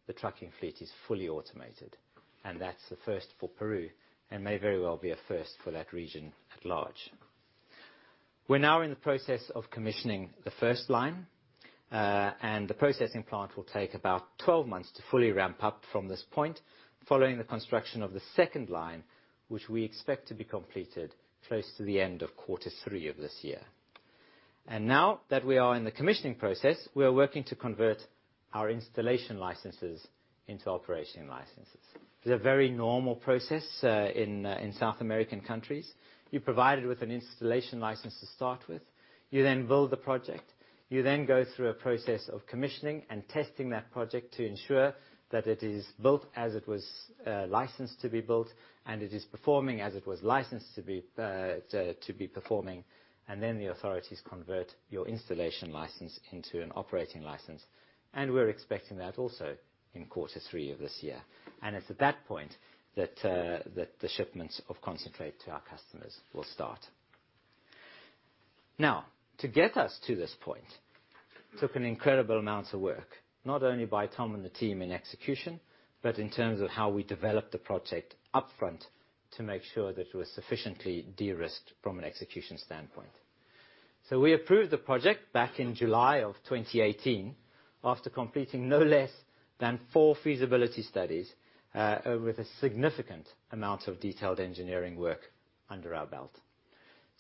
the trucking fleet is fully automated, and that's a first for Peru and may very well be a first for that region at large. We're now in the process of commissioning the first line, and the processing plant will take about 12 months to fully ramp up from this point following the construction of the second line, which we expect to be completed close to the end of quarter three of this year. Now that we are in the commissioning process, we are working to convert our installation licenses into operation licenses. It's a very normal process in South American countries. You're provided with an installation license to start with. You then build the project. You then go through a process of commissioning and testing that project to ensure that it is built as it was licensed to be built and it is performing as it was licensed to be to be performing. Then the authorities convert your installation license into an operating license. We're expecting that also in quarter three of this year. It's at that point that the shipments of concentrate to our customers will start. Now, to get us to this point took an incredible amount of work, not only by Tom and the team in execution, but in terms of how we developed the project upfront to make sure that it was sufficiently de-risked from an execution standpoint. We approved the project back in July of 2018 after completing no less than four feasibility studies, with a significant amount of detailed engineering work under our belt.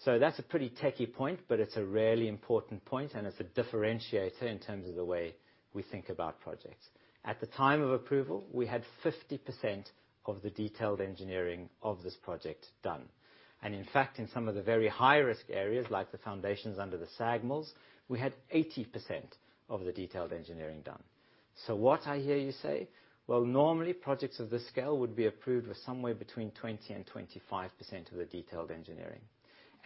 That's a pretty techy point, but it's a really important point, and it's a differentiator in terms of the way we think about projects. At the time of approval, we had 50% of the detailed engineering of this project done. In fact, in some of the very high-risk areas, like the foundations under the SAG mills, we had 80% of the detailed engineering done. What I hear you say? Well, normally, projects of this scale would be approved with somewhere between 20%-25% of the detailed engineering.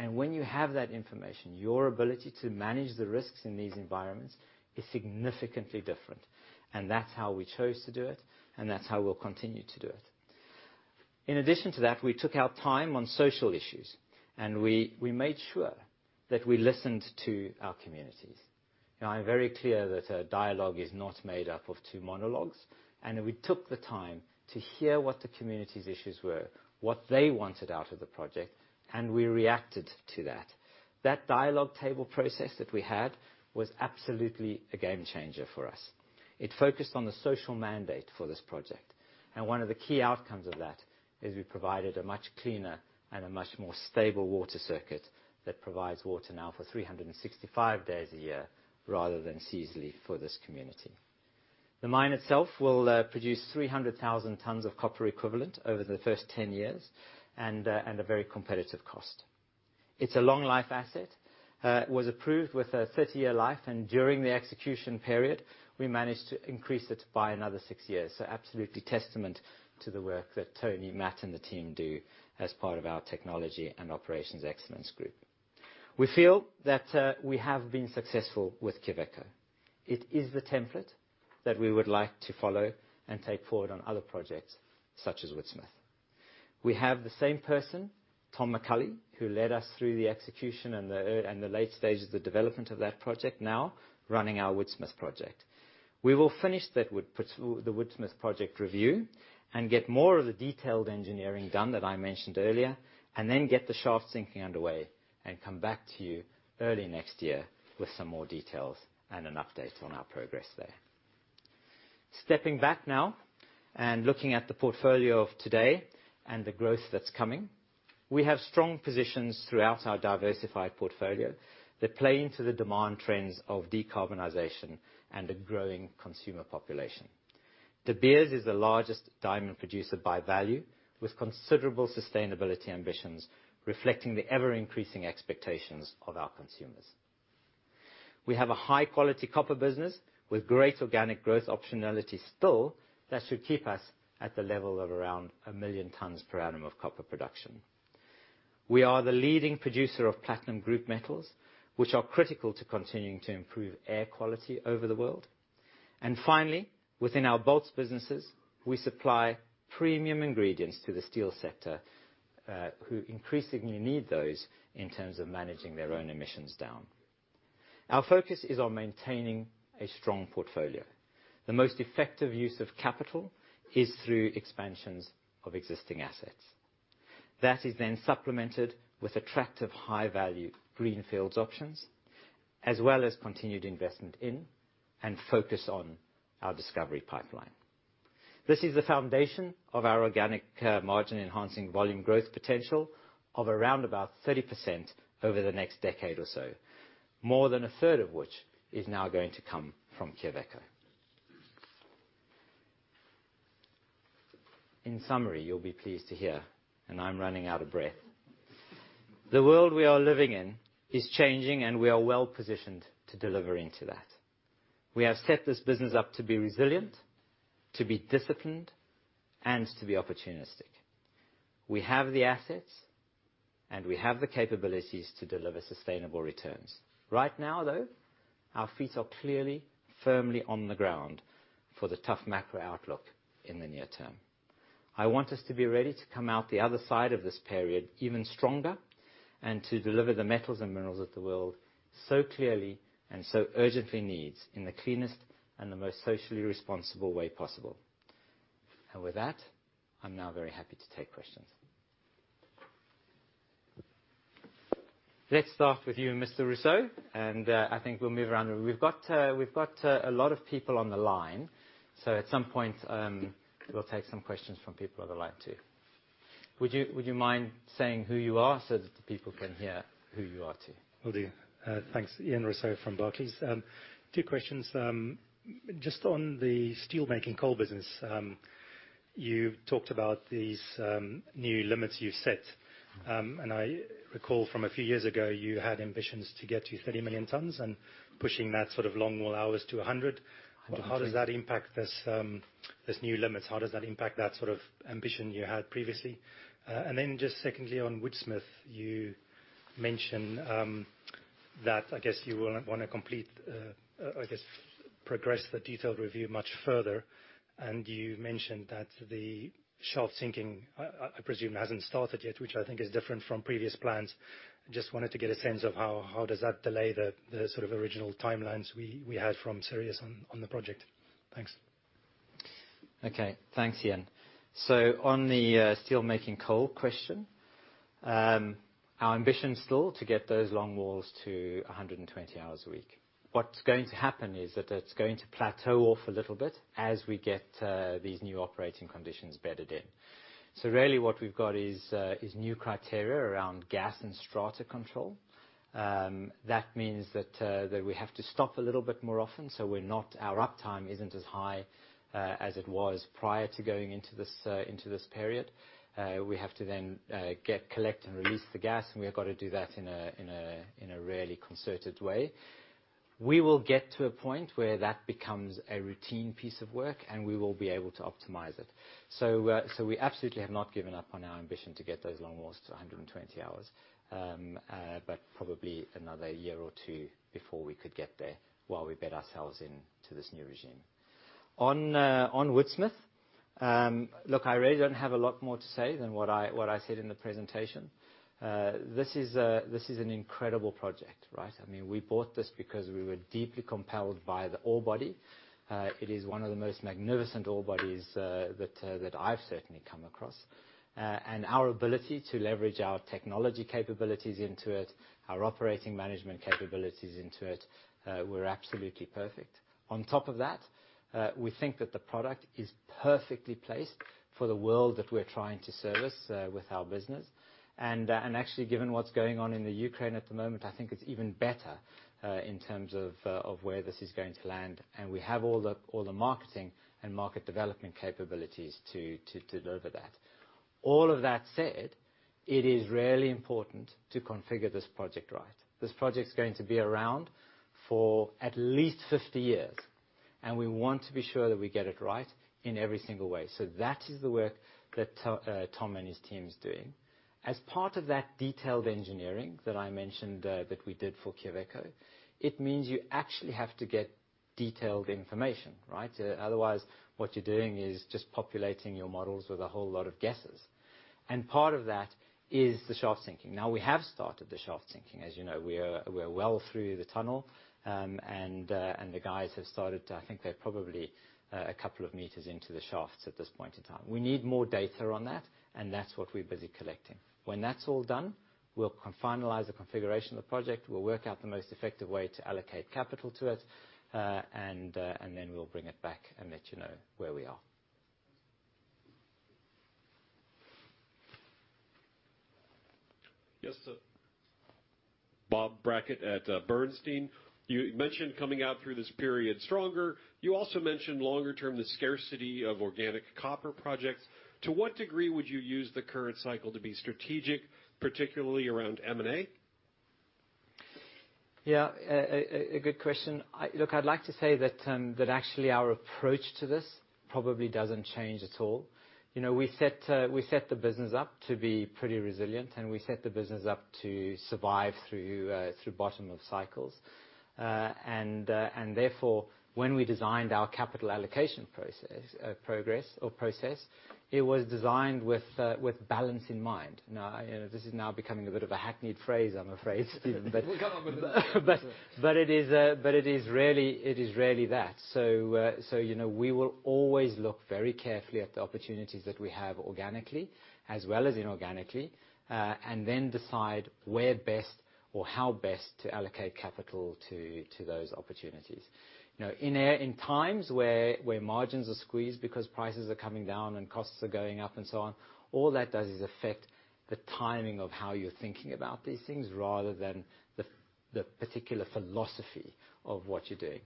When you have that information, your ability to manage the risks in these environments is significantly different. That's how we chose to do it, and that's how we'll continue to do it. In addition to that, we took our time on social issues, and we made sure that we listened to our communities. Now, I'm very clear that a dialogue is not made up of two monologues, and we took the time to hear what the community's issues were, what they wanted out of the project, and we reacted to that. That dialogue table process that we had was absolutely a game changer for us. It focused on the social mandate for this project. One of the key outcomes of that is we provided a much cleaner and a much more stable water circuit that provides water now for 365 days a year rather than seasonally for this community. The mine itself will produce 300,000 tons of copper equivalent over the first 10 years and a very competitive cost. It's a long life asset. It was approved with a 30-year life, and during the execution period, we managed to increase it by another 6 years. Absolutely testament to the work that Tony, Matt, and the team do as part of our technology and operations excellence group. We feel that we have been successful with Quellaveco. It is the template that we would like to follow and take forward on other projects, such as Woodsmith. We have the same person, Tom McCulley, who led us through the execution and the early and the late stages of development of that project, now running our Woodsmith project. We will finish that with the Woodsmith project review and get more of the detailed engineering done that I mentioned earlier, and then get the shaft sinking underway and come back to you early next year with some more details and an update on our progress there. Stepping back now and looking at the portfolio of today and the growth that's coming, we have strong positions throughout our diversified portfolio that play into the demand trends of decarbonization and a growing consumer population. De Beers is the largest diamond producer by value with considerable sustainability ambitions reflecting the ever-increasing expectations of our consumers. We have a high quality copper business with great organic growth optionality still that should keep us at the level of around 1 million tons per annum of copper production. We are the leading producer of platinum group metals, which are critical to continuing to improve air quality over the world. Finally, within our bulk businesses, we supply premium ingredients to the steel sector, who increasingly need those in terms of managing their own emissions down. Our focus is on maintaining a strong portfolio. The most effective use of capital is through expansions of existing assets. That is then supplemented with attractive high-value greenfields options, as well as continued investment in and focus on our discovery pipeline. This is the foundation of our organic, margin enhancing volume growth potential of around 30% over the next decade or so. More than a third of which is now going to come from Quellaveco. In summary, you'll be pleased to hear, and I'm running out of breath, the world we are living in is changing, and we are well positioned to deliver into that. We have set this business up to be resilient, to be disciplined, and to be opportunistic. We have the assets, and we have the capabilities to deliver sustainable returns. Right now, though, our feet are clearly firmly on the ground for the tough macro outlook in the near term. I want us to be ready to come out the other side of this period even stronger and to deliver the metals and minerals of the world so clearly and so urgently needs in the cleanest and the most socially responsible way possible. With that, I'm now very happy to take questions. Let's start with you, Mr. Rossouw, I think we'll move around. We've got a lot of people on the line, so at some point, we'll take some questions from people on the line, too. Would you mind saying who you are so that the people can hear who you are, too? Will do. Thanks. Ian Rossouw from Barclays. Two questions. Just on the steelmaking coal business, you talked about these new limits you've set. I recall from a few years ago, you had ambitions to get to 30 million tons and pushing that sort of longwall hours to 100. How does that impact these new limits? How does that impact that sort of ambition you had previously? Then just secondly, on Woodsmith, you mentioned that I guess you wanna complete, I guess, progress the detailed review much further, and you mentioned that the shaft sinking I presume hasn't started yet, which I think is different from previous plans. Just wanted to get a sense of how does that delay the sort of original timelines we had from Sirius on the project? Thanks. Okay, thanks, Ian. On the steelmaking coal question, our ambition's still to get those long walls to 120 hours a week. What's going to happen is that it's going to plateau off a little bit as we get these new operating conditions bedded in. Really what we've got is new criteria around gas and strata control. That means that we have to stop a little bit more often, so our uptime isn't as high as it was prior to going into this period. We have to then get, collect, and release the gas, and we have got to do that in a really concerted way. We will get to a point where that becomes a routine piece of work, and we will be able to optimize it. We absolutely have not given up on our ambition to get those long walls to 120 hours, but probably another year or two before we could get there while we bed ourselves into this new regime. On Woodsmith, look, I really don't have a lot more to say than what I said in the presentation. This is an incredible project, right? I mean, we bought this because we were deeply compelled by the ore body. It is one of the most magnificent ore bodies that I've certainly come across. Our ability to leverage our technology capabilities into it, our operating management capabilities into it, were absolutely perfect. On top of that, we think that the product is perfectly placed for the world that we're trying to service with our business. Actually, given what's going on in the Ukraine at the moment, I think it's even better in terms of where this is going to land, and we have all the marketing and market development capabilities to deliver that. All of that said, it is really important to configure this project right. This project is going to be around for at least 50 years, and we want to be sure that we get it right in every single way. That is the work that Tom and his team is doing. As part of that detailed engineering that I mentioned, that we did for Quellaveco, it means you actually have to get detailed information, right? Otherwise, what you're doing is just populating your models with a whole lot of guesses. Part of that is the shaft sinking. Now, we have started the shaft sinking. As you know, we're well through the tunnel, and the guys have started. I think they're probably a couple of meters into the shafts at this point in time. We need more data on that, and that's what we're busy collecting. When that's all done, we'll finalize the configuration of the project. We'll work out the most effective way to allocate capital to it, and then we'll bring it back and let you know where we are. Yes, sir. Bob Brackett at Bernstein. You mentioned coming out through this period stronger. You also mentioned longer term, the scarcity of organic copper projects. To what degree would you use the current cycle to be strategic, particularly around M&A? Yeah. A good question. Look, I'd like to say that actually our approach to this probably doesn't change at all. You know, we set the business up to be pretty resilient, and we set the business up to survive through bottom of cycles. And therefore, when we designed our capital allocation process, it was designed with balance in mind. Now, this is becoming a bit of a hackneyed phrase, I'm afraid, Stephen. We'll come up with a new one. It is really that. You know, we will always look very carefully at the opportunities that we have organically as well as inorganically, and then decide where best or how best to allocate capital to those opportunities. You know, in times where margins are squeezed because prices are coming down and costs are going up and so on, all that does is affect the timing of how you're thinking about these things rather than the particular philosophy of what you're doing.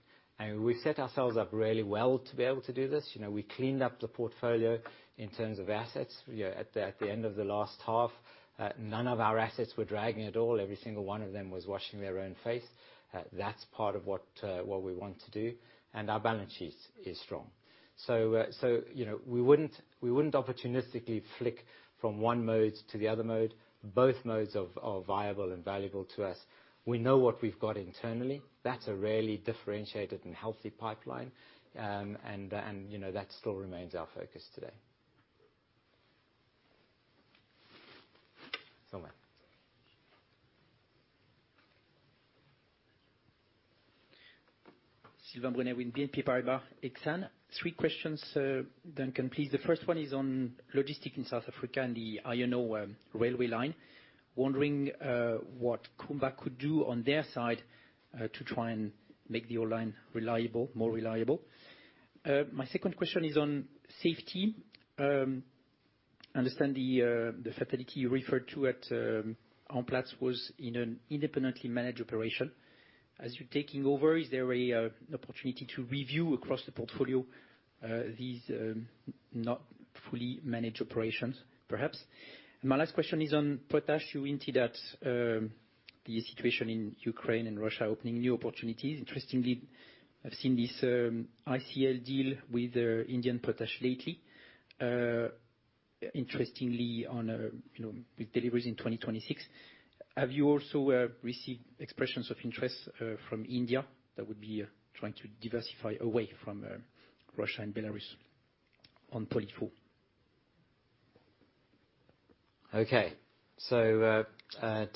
We set ourselves up really well to be able to do this. You know, we cleaned up the portfolio in terms of assets. You know, at the end of the last half, none of our assets were dragging at all. Every single one of them was washing their own face. That's part of what we want to do, and our balance sheet is strong. You know, we wouldn't opportunistically flick from one mode to the other mode. Both modes are viable and valuable to us. We know what we've got internally. That's a really differentiated and healthy pipeline. You know, that still remains our focus today. Sylvain. Sylvain Brunet with BNP Paribas Exane. Three questions, Duncan, please. The first one is on logistics in South Africa and the iron ore railway line. Wondering what Kumba could do on their side to try and make the ore line reliable, more reliable. My second question is on safety. I understand the fatality you referred to at on Platinum was in an independently managed operation. As you're taking over, is there an opportunity to review across the portfolio these not fully managed operations, perhaps? My last question is on potash. You hinted at the situation in Ukraine and Russia opening new opportunities. Interestingly, I've seen this ICL deal with Indian Potash lately, interestingly, on you know, with deliveries in 2026. Have you also received expressions of interest from India that would be trying to diversify away from Russia and Belarus on POLY4? Okay.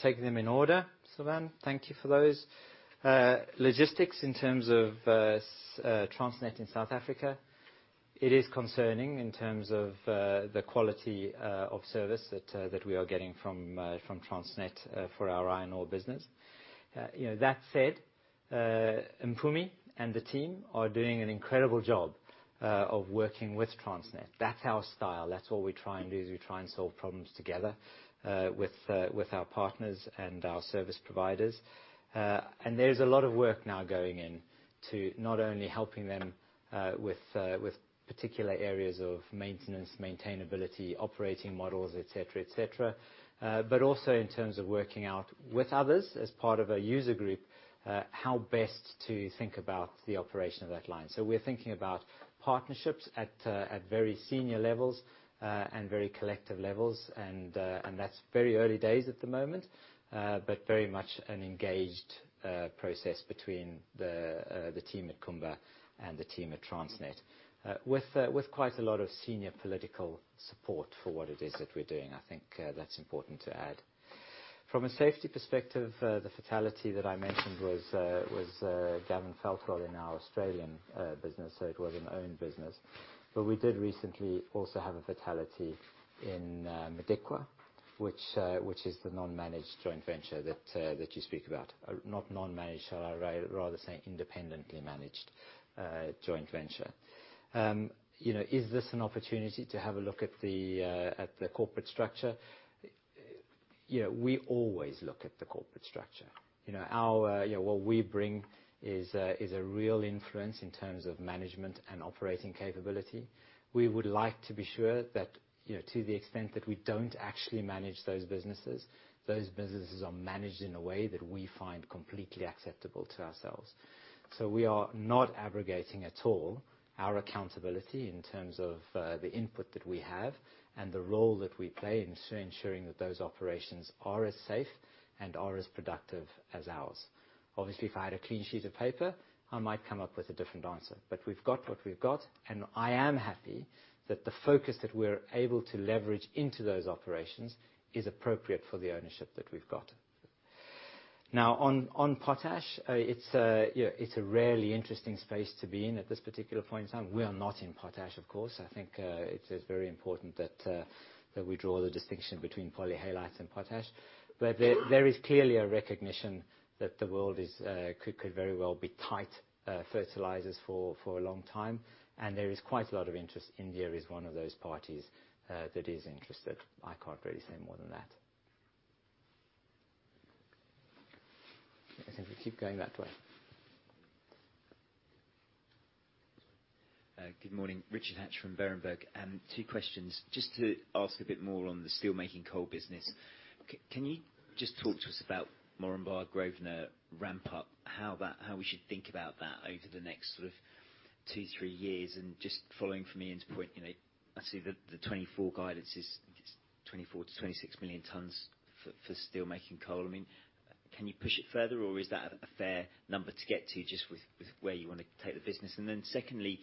Take them in order, Sylvain. Thank you for those. Logistics in terms of Transnet in South Africa, it is concerning in terms of the quality of service that we are getting from Transnet for our iron ore business. You know, that said, Mpumi and the team are doing an incredible job of working with Transnet. That's our style. That's what we try and do, is we try and solve problems together with our partners and our service providers. There's a lot of work now going into not only helping them with particular areas of maintenance, maintainability, operating models, et cetera, but also in terms of working out with others as part of a user group how best to think about the operation of that line. We're thinking about partnerships at very senior levels and very collective levels, and that's very early days at the moment, but very much an engaged process between the team at Kumba and the team at Transnet with quite a lot of senior political support for what it is that we're doing. I think that's important to add. From a safety perspective, the fatality that I mentioned was Gavin Feltwell in our Australian business, so it was an owned business. We did recently also have a fatality in Modikwa, which is the non-managed joint venture that you speak about. Not non-managed, shall I rather say independently managed joint venture. You know, is this an opportunity to have a look at the corporate structure? You know, we always look at the corporate structure. You know, our you know, what we bring is a real influence in terms of management and operating capability. We would like to be sure that, you know, to the extent that we don't actually manage those businesses, those businesses are managed in a way that we find completely acceptable to ourselves. We are not abrogating at all our accountability in terms of the input that we have and the role that we play in ensuring that those operations are as safe and are as productive as ours. Obviously, if I had a clean sheet of paper, I might come up with a different answer. We've got what we've got, and I am happy that the focus that we're able to leverage into those operations is appropriate for the ownership that we've got. Now, on potash, you know, it's a really interesting space to be in at this particular point in time. We are not in potash, of course. I think it is very important that we draw the distinction between polyhalite and potash. There is clearly a recognition that the world could very well be tight fertilizers for a long time. There is quite a lot of interest. India is one of those parties that is interested. I can't really say more than that. I think we keep going that way. Good morning. Richard Hatch from Berenberg. Two questions. Just to ask a bit more on the steelmaking coal business. Can you just talk to us about Moranbah/Grosvenor ramp up? How that—how we should think about that over the next sort of 2-3 years? And just following from Ian Rossouw's point, you know, I see the 2024 guidance is just 24-26 million tons for steelmaking coal. I mean, can you push it further, or is that a fair number to get to just with where you wanna take the business? And then secondly,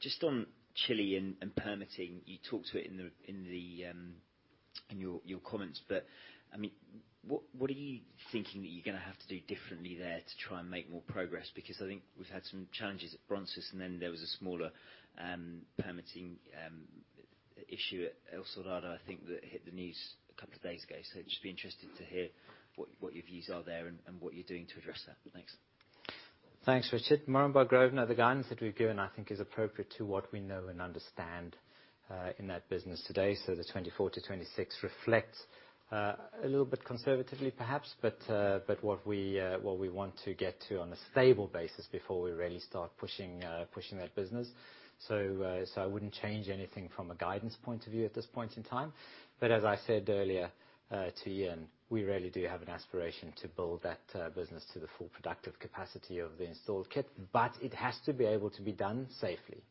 just on Chile and permitting, you talked to it in your comments. I mean, what are you thinking that you're gonna have to do differently there to try and make more progress? Because I think we've had some challenges at Los Bronces, and then there was a smaller permitting issue at El Soldado, I think, that hit the news a couple of days ago. Just be interested to hear what your views are there and what you're doing to address that. Thanks. Thanks, Richard. Moranbah/Grosvenor, the guidance that we've given, I think is appropriate to what we know and understand in that business today. The 24-26 reflects a little bit conservatively, perhaps, but what we want to get to on a stable basis before we really start pushing that business. I wouldn't change anything from a guidance point of view at this point in time. As I said earlier to Ian, we really do have an aspiration to build that business to the full productive capacity of the installed kit. It has to be able to be done safely.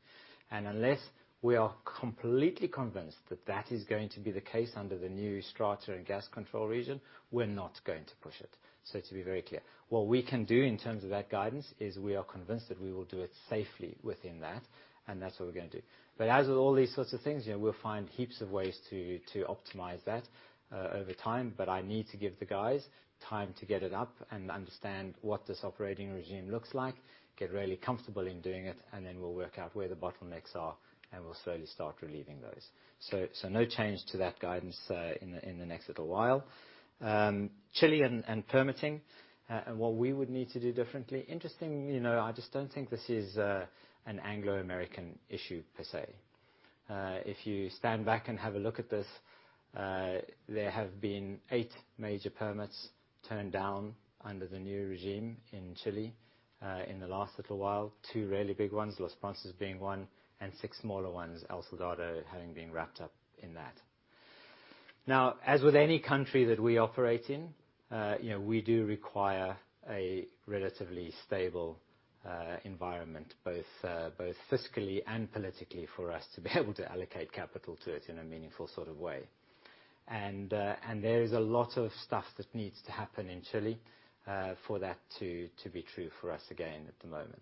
Unless we are completely convinced that that is going to be the case under the new strata and gas control regime, we're not going to push it. To be very clear, what we can do in terms of that guidance is we are convinced that we will do it safely within that, and that's what we're gonna do. As with all these sorts of things, you know, we'll find heaps of ways to optimize that over time. I need to give the guys time to get it up and understand what this operating regime looks like, get really comfortable in doing it, and then we'll work out where the bottlenecks are, and we'll slowly start relieving those. No change to that guidance in the next little while. Chile and permitting and what we would need to do differently. Interesting, you know, I just don't think this is an Anglo American issue per se. If you stand back and have a look at this, there have been 8 major permits turned down under the new regime in Chile, in the last little while. 2 really big ones, Los Bronces being one, and 6 smaller ones, El Soldado having been wrapped up in that. Now, as with any country that we operate in, you know, we do require a relatively stable environment, both fiscally and politically, for us to be able to allocate capital to it in a meaningful sort of way. There is a lot of stuff that needs to happen in Chile, for that to be true for us again at the moment.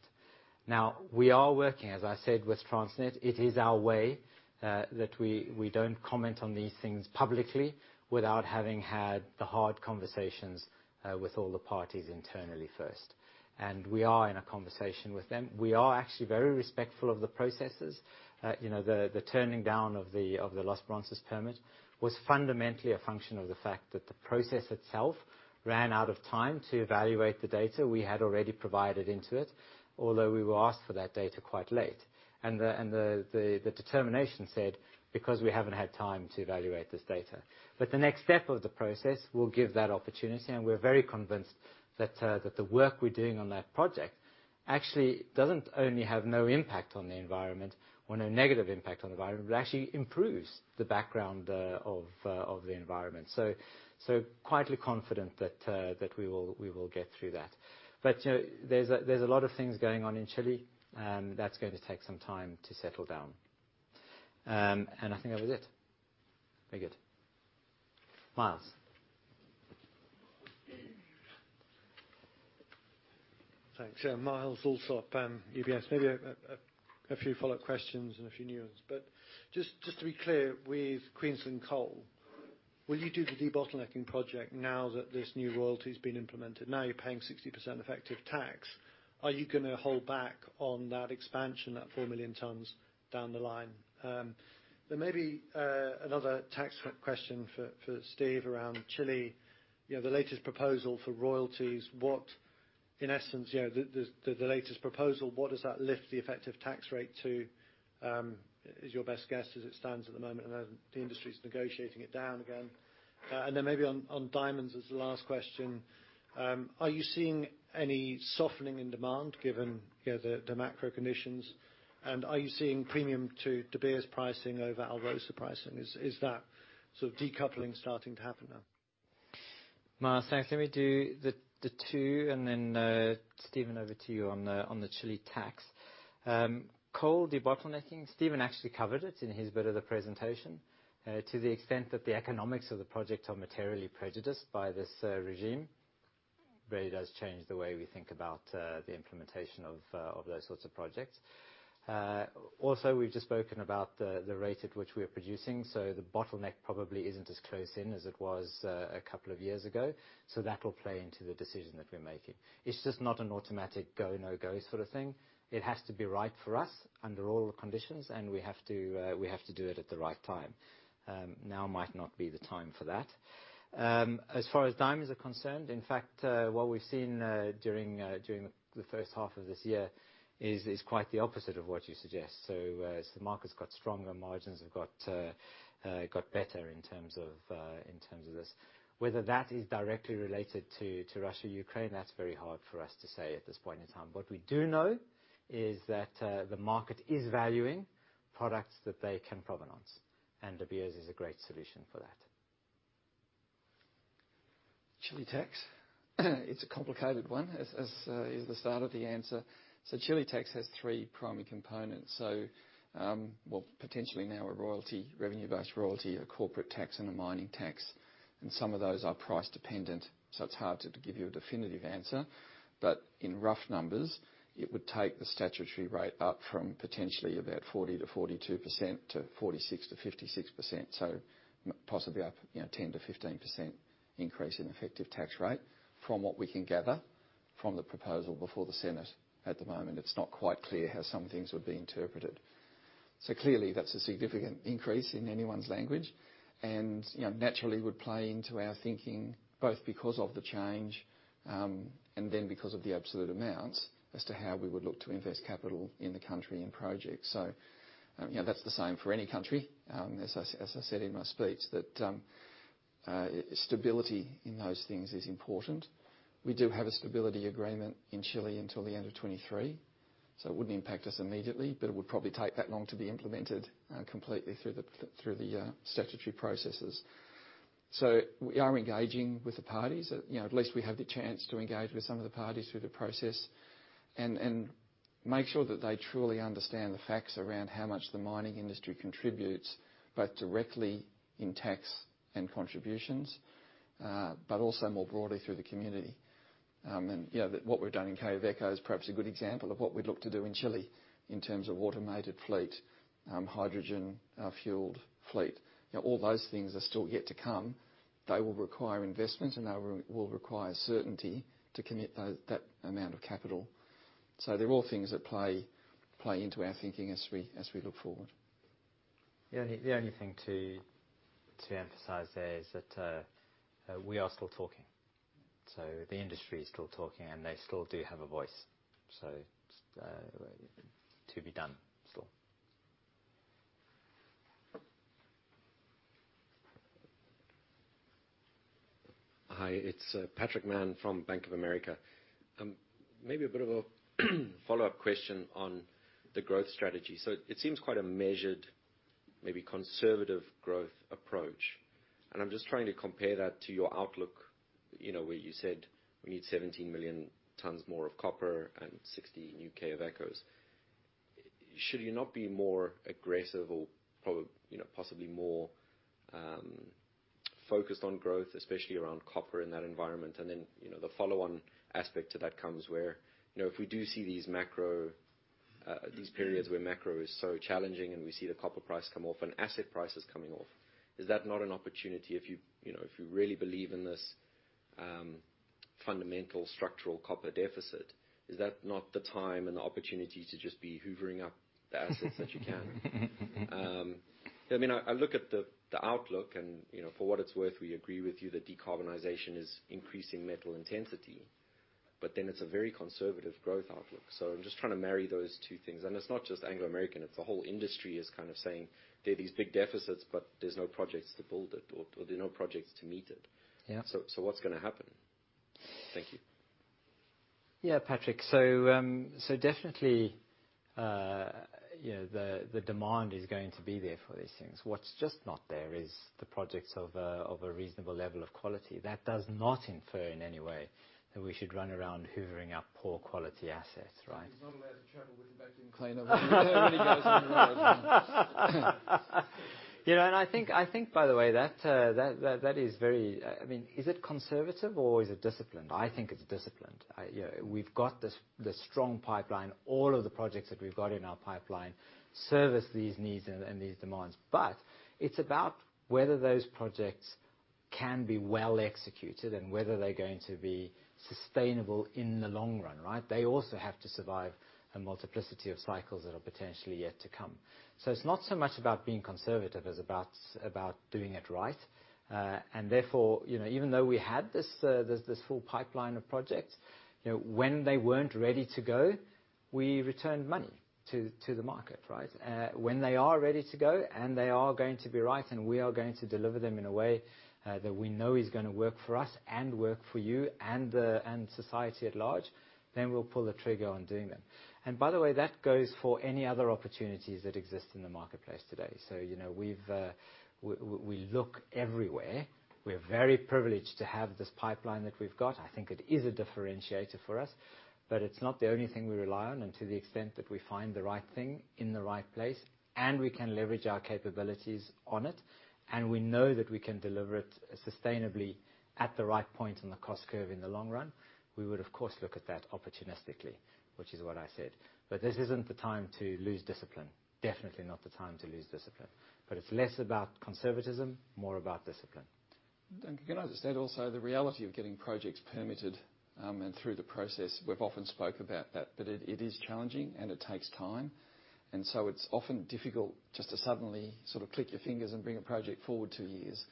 Now, we are working, as I said, with Transnet. It is our way that we don't comment on these things publicly without having had the hard conversations with all the parties internally first. We are in a conversation with them. We are actually very respectful of the processes. You know, the turning down of the Los Bronces permit was fundamentally a function of the fact that the process itself ran out of time to evaluate the data we had already provided into it, although we were asked for that data quite late. The determination said, "Because we haven't had time to evaluate this data." The next step of the process will give that opportunity, and we're very convinced that the work we're doing on that project actually doesn't only have no impact on the environment or no negative impact on the environment, but actually improves the background of the environment. Quietly confident that we will get through that. You know, there's a lot of things going on in Chile, and that's going to take some time to settle down. I think that was it. Very good. Myles. Thanks. Yeah, Myles Allsop, UBS. Maybe a few follow-up questions and a few new ones. Just to be clear, with Queensland Coal, will you do the debottlenecking project now that this new royalty's been implemented? Now, you're paying 60% effective tax, are you gonna hold back on that expansion, that 4 million tons down the line? There may be another tax question for Steven around Chile. You know, the latest proposal for royalties, what, in essence, you know, the latest proposal, what does that lift the effective tax rate to, is your best guess as it stands at the moment? I know the industry is negotiating it down again. Maybe on diamonds as the last question, are you seeing any softening in demand given, you know, the macro conditions? Are you seeing premium to De Beers pricing over Alrosa pricing? Is that sort of decoupling starting to happen now? Myles, thanks. Let me do the two and then Stephen, over to you on the Chile tax. Coal debottlenecking, Stephen actually covered it in his bit of the presentation. To the extent that the economics of the project are materially prejudiced by this regime, really does change the way we think about the implementation of those sorts of projects. Also, we've just spoken about the rate at which we are producing, so the bottleneck probably isn't as close in as it was a couple of years ago, so that will play into the decision that we're making. It's just not an automatic go, no-go sort of thing. It has to be right for us under all conditions, and we have to do it at the right time. Now might not be the time for that. As far as diamonds are concerned, in fact, what we've seen during the first half of this year is quite the opposite of what you suggest. Market's got stronger, margins have got better in terms of this. Whether that is directly related to Russia/Ukraine, that's very hard for us to say at this point in time. What we do know is that the market is valuing products that they can provenance, and Tracr is a great solution for that. Chile tax. It's a complicated one, is the start of the answer. Chile tax has three primary components. Potentially now a royalty, revenue-based royalty, a corporate tax, and a mining tax, and some of those are price dependent, so it's hard to give you a definitive answer. In rough numbers, it would take the statutory rate up from potentially about 40%-42% to 46%-56%. Possibly up, you know, 10%-15% increase in effective tax rate from what we can gather from the proposal before the Senate. At the moment, it's not quite clear how some things would be interpreted. Clearly that's a significant increase in anyone's language, and, you know, naturally would play into our thinking, both because of the change, and then because of the absolute amounts as to how we would look to invest capital in the country and projects. You know, that's the same for any country. As I said in my speech, that stability in those things is important. We do have a stability agreement in Chile until the end of 2023, so it wouldn't impact us immediately, but it would probably take that long to be implemented completely through the statutory processes. We are engaging with the parties. You know, at least we have the chance to engage with some of the parties through the process and make sure that they truly understand the facts around how much the mining industry contributes, both directly in tax and contributions, but also more broadly through the community. You know, what we've done in Quellaveco is perhaps a good example of what we'd look to do in Chile in terms of automated fleet, hydrogen fueled fleet. You know, all those things are still yet to come. They will require investment, and they will require certainty to commit that amount of capital. They're all things that play into our thinking as we look forward. The only thing to emphasize there is that we are still talking. The industry is still talking, and they still do have a voice. To be done still. Hi, it's Patrick Mann from Bank of America. Maybe a bit of a follow-up question on the growth strategy. It seems quite a measured, maybe conservative growth approach, and I'm just trying to compare that to your outlook, you know, where you said we need 17 million tons more of copper and 60 new Quellavecos. Should you not be more aggressive or, you know, possibly more focused on growth, especially around copper in that environment? You know, the follow-on aspect to that comes where, you know, if we do see these macro, these periods where macro is so challenging, and we see the copper price come off and asset prices coming off, is that not an opportunity if you know, if you really believe in this, fundamental structural copper deficit, is that not the time and the opportunity to just be hoovering up the assets that you can? I mean, I look at the outlook and, you know, for what it's worth, we agree with you that decarbonization is increasing metal intensity, but then it's a very conservative growth outlook. I'm just trying to marry those two things. It's not just Anglo American, it's the whole industry is kind of saying there are these big deficits, but there's no projects to build it or there are no projects to meet it. Yeah. What's gonna happen? Thank you. Patrick. Definitely, you know, the demand is going to be there for these things. What's just not there is the projects of a reasonable level of quality. That does not infer in any way that we should run around hoovering up poor quality assets, right? There's not a lot of travel with a vacuum cleaner when everybody goes on the road. You know, I think, by the way, I mean, is it conservative or is it disciplined? I think it's disciplined. You know, we've got this, the strong pipeline. All of the projects that we've got in our pipeline service these needs and these demands. It's about whether those projects can be well executed and whether they're going to be sustainable in the long run, right? They also have to survive a multiplicity of cycles that are potentially yet to come. It's not so much about being conservative as about doing it right. Therefore, you know, even though we had this full pipeline of projects, you know, when they weren't ready to go, we returned money to the market, right? When they are ready to go, and they are going to be right, and we are going to deliver them in a way that we know is gonna work for us and work for you and the, and society at large, then we'll pull the trigger on doing them. By the way, that goes for any other opportunities that exist in the marketplace today. You know, we look everywhere. We're very privileged to have this pipeline that we've got. I think it is a differentiator for us. It's not the only thing we rely on, and to the extent that we find the right thing in the right place, and we can leverage our capabilities on it, and we know that we can deliver it sustainably at the right point in the cost curve in the long run, we would of course look at that opportunistically, which is what I said. This isn't the time to lose discipline. Definitely not the time to lose discipline. It's less about conservatism, more about discipline. Can I just add also, the reality of getting projects permitted, and through the process, we've often spoke about that, but it is challenging, and it takes time. It's often difficult just to suddenly sort of click your fingers and bring a project forward two years,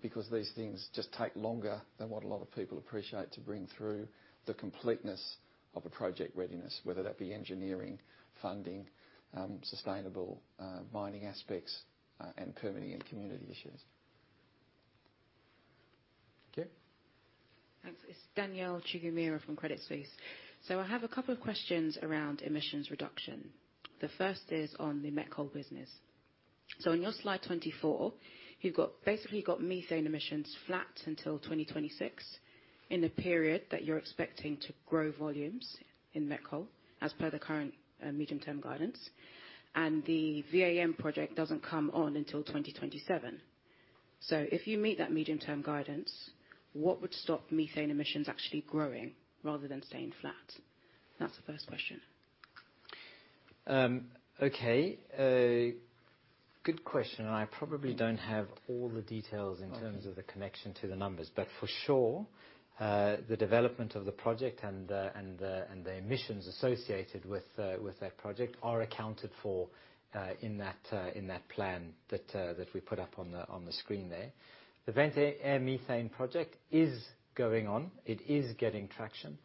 because these things just take longer than what a lot of people appreciate to bring through the completeness of a project readiness, whether that be engineering, funding, sustainable mining aspects, and permitting and community issues. Thanks. It's Danielle Chigumira from Credit Suisse. I have a couple of questions around emissions reduction. The first is on the Met Coal business. In your slide 24, you've basically got methane emissions flat until 2026 in the period that you're expecting to grow volumes in Met Coal, as per the current medium-term guidance. And the VAM project doesn't come on until 2027. If you meet that medium-term guidance, what would stop methane emissions actually growing rather than staying flat? That's the first question. Okay. A good question, and I probably don't have all the details. Okay. In terms of the connection to the numbers. For sure, the development of the project and the emissions associated with that project are accounted for in that plan that we put up on the screen there. The vent air methane project is going on. It is getting traction.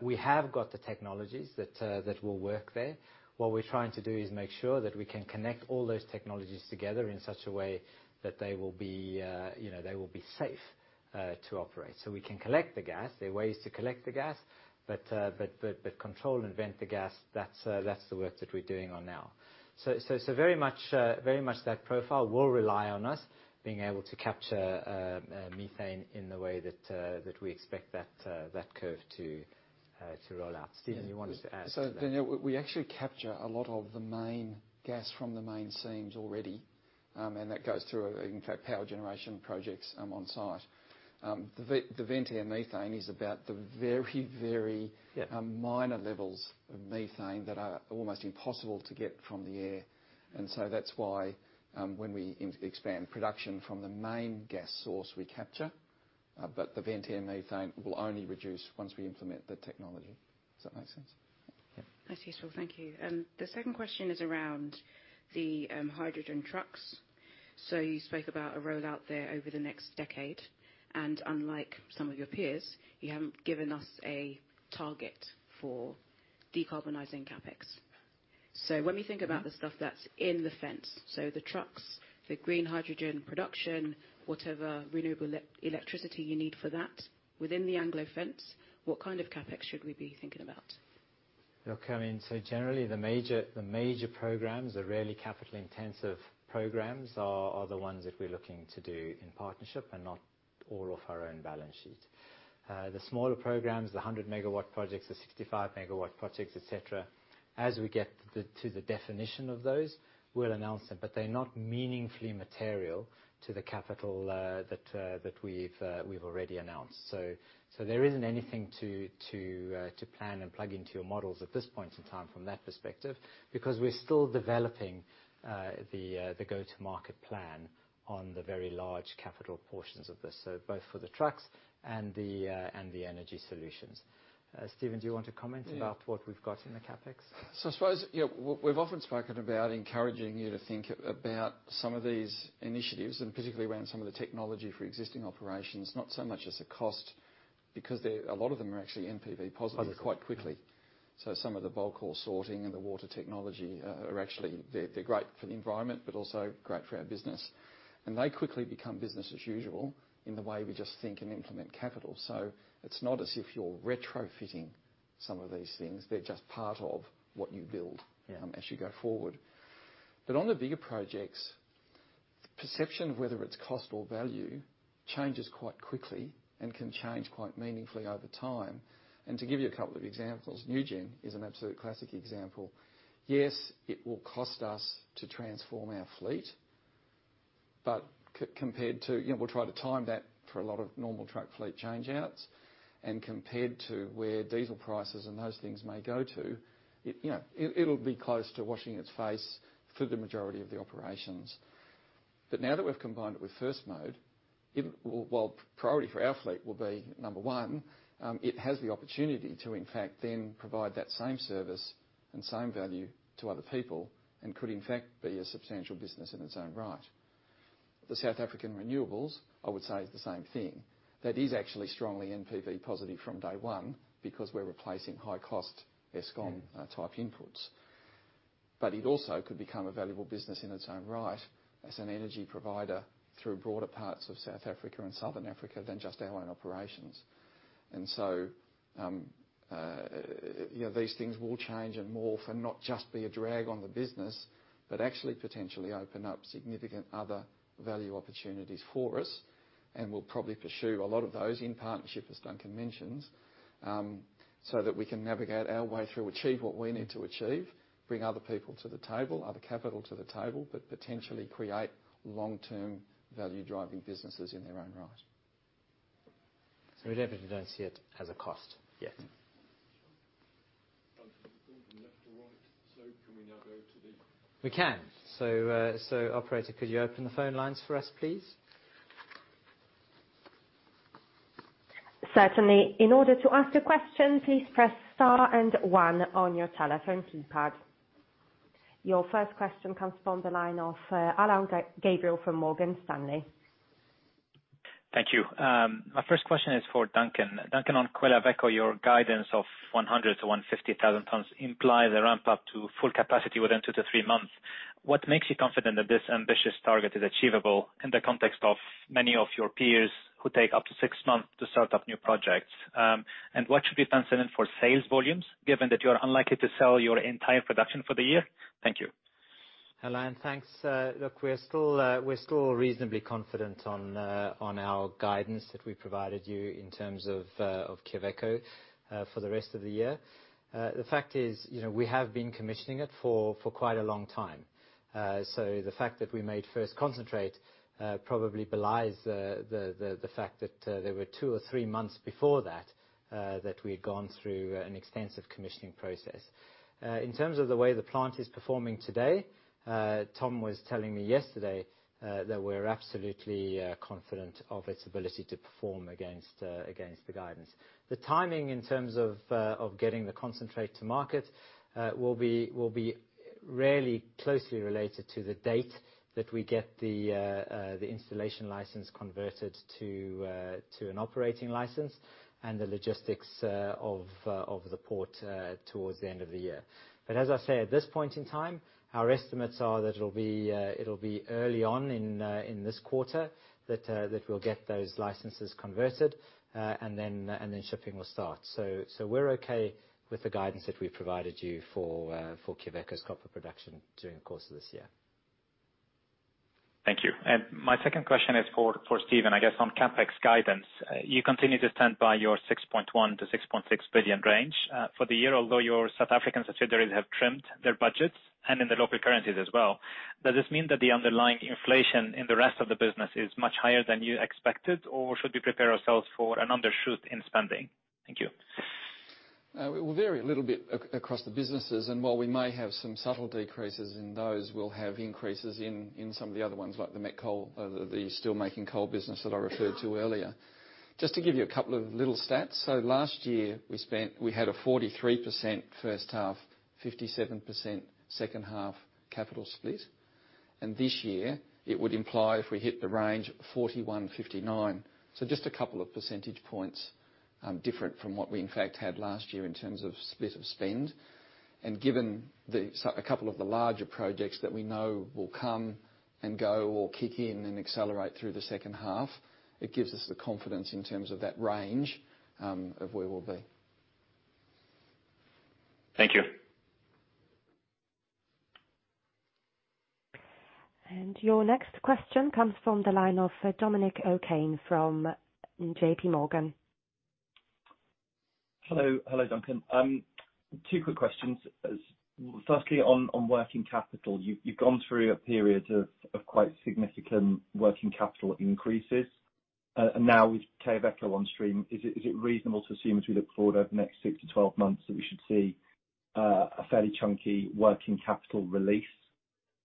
We have got the technologies that will work there. What we're trying to do is make sure that we can connect all those technologies together in such a way that they will be, you know, they will be safe to operate. We can collect the gas. There are ways to collect the gas, but control and vent the gas, that's the work that we're doing on now. Very much that profile will rely on us being able to capture methane in the way that we expect that curve to roll out. Stephen, you wanted to add to that. Danielle, we actually capture a lot of the main gas from the main seams already, and that goes through, in fact, power generation projects on site. The vent air methane is about the very, very- Yeah. Minor levels of methane that are almost impossible to get from the air. That's why, when we expand production from the main gas source we capture, but the vent air methane will only reduce once we implement the technology. Does that make sense? Yeah. That's useful. Thank you. The second question is around the hydrogen trucks. You spoke about a rollout there over the next decade, and unlike some of your peers, you haven't given us a target for decarbonizing CapEx. When we think about the stuff that's in the fence, the trucks, the green hydrogen production, whatever renewable electricity you need for that within the Anglo fence, what kind of CapEx should we be thinking about? Look, I mean, generally the major programs, the really capital-intensive programs are the ones that we're looking to do in partnership and not all off our own balance sheet. The smaller programs, the 100 megawatt projects, the 65 megawatt projects, et cetera, as we get to the definition of those, we'll announce them. They're not meaningfully material to the capital that we've already announced. There isn't anything to plan and plug into your models at this point in time from that perspective, because we're still developing the go-to-market plan on the very large capital portions of this, so both for the trucks and the energy solutions. Stephen, do you want to comment about what we've got in the CapEx? I suppose, you know, we've often spoken about encouraging you to think about some of these initiatives, and particularly around some of the technology for existing operations, not so much as a cost because they, a lot of them are actually NPV positive quite quickly. Yeah. Some of the bulk ore sorting and the water technology are actually, they're great for the environment but also great for our business. They quickly become business as usual in the way we just think and implement capital. It's not as if you're retrofitting some of these things. They're just part of what you build. Yeah. As you go forward. On the bigger projects, perception of whether it's cost or value changes quite quickly and can change quite meaningfully over time. To give you a couple of examples, nuGen is an absolute classic example. Yes, it will cost us to transform our fleet, but compared to, you know, we'll try to time that for a lot of normal truck fleet change outs and compared to where diesel prices and those things may go to, you know, it'll be close to washing its face for the majority of the operations. Now that we've combined it with First Mode, priority for our fleet will be number one, it has the opportunity to in fact then provide that same service and same value to other people and could in fact be a substantial business in its own right. The South African renewables, I would say, is the same thing. That is actually strongly NPV positive from day one because we're replacing high-cost Eskom. Mm-hmm. Tight inputs. It also could become a valuable business in its own right as an energy provider through broader parts of South Africa and Southern Africa than just our own operations. You know, these things will change and morph and not just be a drag on the business, but actually potentially open up significant other value opportunities for us, and we'll probably pursue a lot of those in partnership, as Duncan mentions, so that we can navigate our way through, achieve what we need to achieve, bring other people to the table, other capital to the table, but potentially create long-term value-driving businesses in their own right. We definitely don't see it as a cost yet. Sure. Duncan, we've gone from left to right, so can we now go to the? We can. Operator, could you open the phone lines for us, please? Certainly. In order to ask a question, please press star and one on your telephone keypad. Your first question comes from the line of Alain Gabriel from Morgan Stanley. Thank you. My first question is for Duncan. Duncan, on Quellaveco, your guidance of 100-150,000 tons implies a ramp up to full capacity within two to three months. What makes you confident that this ambitious target is achievable in the context of many of your peers who take up to six months to start up new projects? And what should be considered for sales volumes, given that you are unlikely to sell your entire production for the year? Thank you. Hello, and thanks. Look, we're still reasonably confident on our guidance that we provided you in terms of Quellaveco for the rest of the year. The fact is, you know, we have been commissioning it for quite a long time. The fact that we made first concentrate probably belies the fact that there were two or three months before that that we had gone through an extensive commissioning process. In terms of the way the plant is performing today, Tom was telling me yesterday that we're absolutely confident of its ability to perform against the guidance. The timing in terms of getting the concentrate to market will be rarely closely related to the date that we get the installation license converted to an operating license, and the logistics of the port towards the end of the year. As I say, at this point in time, our estimates are that it'll be early on in this quarter that we'll get those licenses converted, and then shipping will start. We're okay with the guidance that we provided you for Quellaveco's copper production during the course of this year. Thank you. My second question is for Stephen. I guess on CapEx guidance, you continue to stand by your $6.1 billion-$6.6 billion range for the year, although your South African subsidiaries have trimmed their budgets and in the local currencies as well. Does this mean that the underlying inflation in the rest of the business is much higher than you expected, or should we prepare ourselves for an undershoot in spending? Thank you. It will vary a little bit across the businesses, and while we may have some subtle decreases in those, we'll have increases in some of the other ones, like the Met Coal, the steelmaking coal business that I referred to earlier. Just to give you a couple of little stats. Last year we had a 43% first half, 57% second half capital split. This year it would imply if we hit the range 41-59. Just a couple of percentage points different from what we in fact had last year in terms of split of spend. Given a couple of the larger projects that we know will come and go or kick in and accelerate through the second half, it gives us the confidence in terms of that range of where we'll be. Thank you. Your next question comes from the line of Dominic O'Kane from JPMorgan. Hello. Hello, Duncan. 2 quick questions. First, on working capital, you've gone through a period of quite significant working capital increases. Now with Quellaveco on stream, is it reasonable to assume, as we look forward over the next 6 to 12 months, that we should see a fairly chunky working capital release?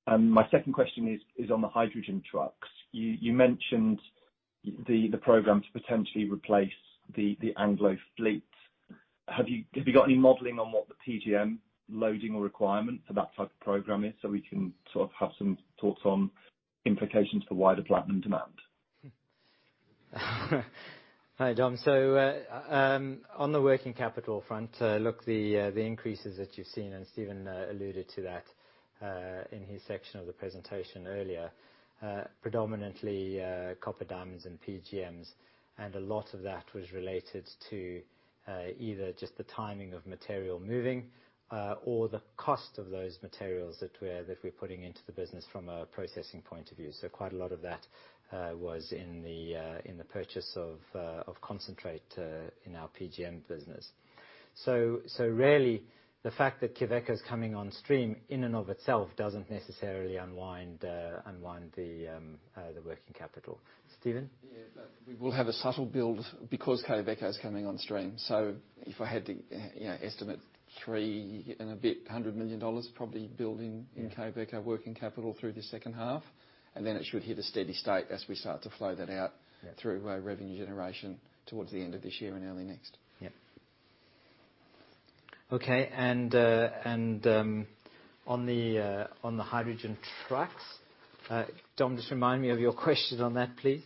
My second question is on the hydrogen trucks. You mentioned the program to potentially replace the Anglo fleet. Have you got any modeling on what the PGM loading requirement for that type of program is, so we can sort of have some thoughts on implications for wider platinum demand? Hi, Dom. On the working capital front, look, the increases that you've seen, and Stephen alluded to that in his section of the presentation earlier, predominantly copper, diamonds, and PGMs. A lot of that was related to either just the timing of material moving or the cost of those materials that we're putting into the business from a processing point of view. Quite a lot of that was in the purchase of concentrate in our PGM business. Really, the fact that Quellaveco's coming on stream in and of itself doesn't necessarily unwind the working capital. Stephen? Yeah. We will have a subtle build because Quellaveco's coming on stream. If I had to, you know, estimate $300 million and a bit probably building in Quellaveco working capital through the second half, and then it should hit a steady state as we start to flow that out. Yeah. Through our revenue generation toward the end of this year and early next. Yeah. Okay. On the hydrogen trucks, Dom, just remind me of your question on that, please.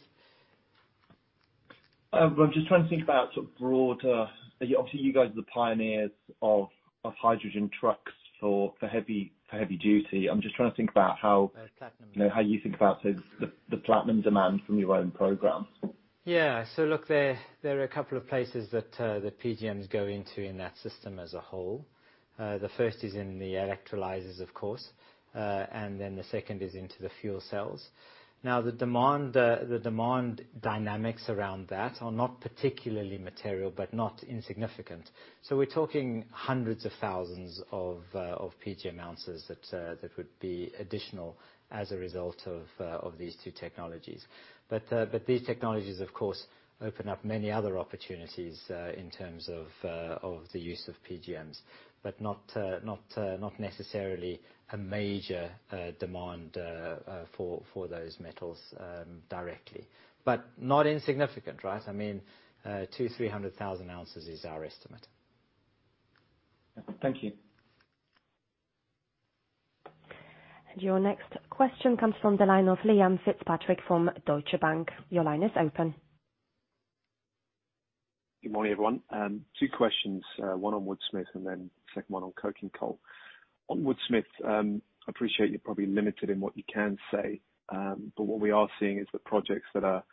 I'm just trying to think about sort of broader. Obviously, you guys are the pioneers of hydrogen trucks for heavy duty. I'm just trying to think about how Of platinum. You know, how you think about the platinum demand from your own program? Yeah. Look, there are a couple of places that the PGMs go into in that system as a whole. The first is in the electrolyzers, of course. The second is into the fuel cells. Now, the demand dynamics around that are not particularly material, but not insignificant. We're talking hundreds of thousands of PGMs ounces that would be additional as a result of these two technologies. But these technologies, of course, open up many other opportunities in terms of the use of PGMs, but not necessarily a major demand for those metals directly. But not insignificant, right? I mean, 200-300 thousand ounces is our estimate. Thank you. Your next question comes from the line of Liam Fitzpatrick from Deutsche Bank. Your line is open. Good morning, everyone. Two questions. One on Woodsmith and then second one on coking coal. On Woodsmith, I appreciate you're probably limited in what you can say, but what we are seeing is the projects that are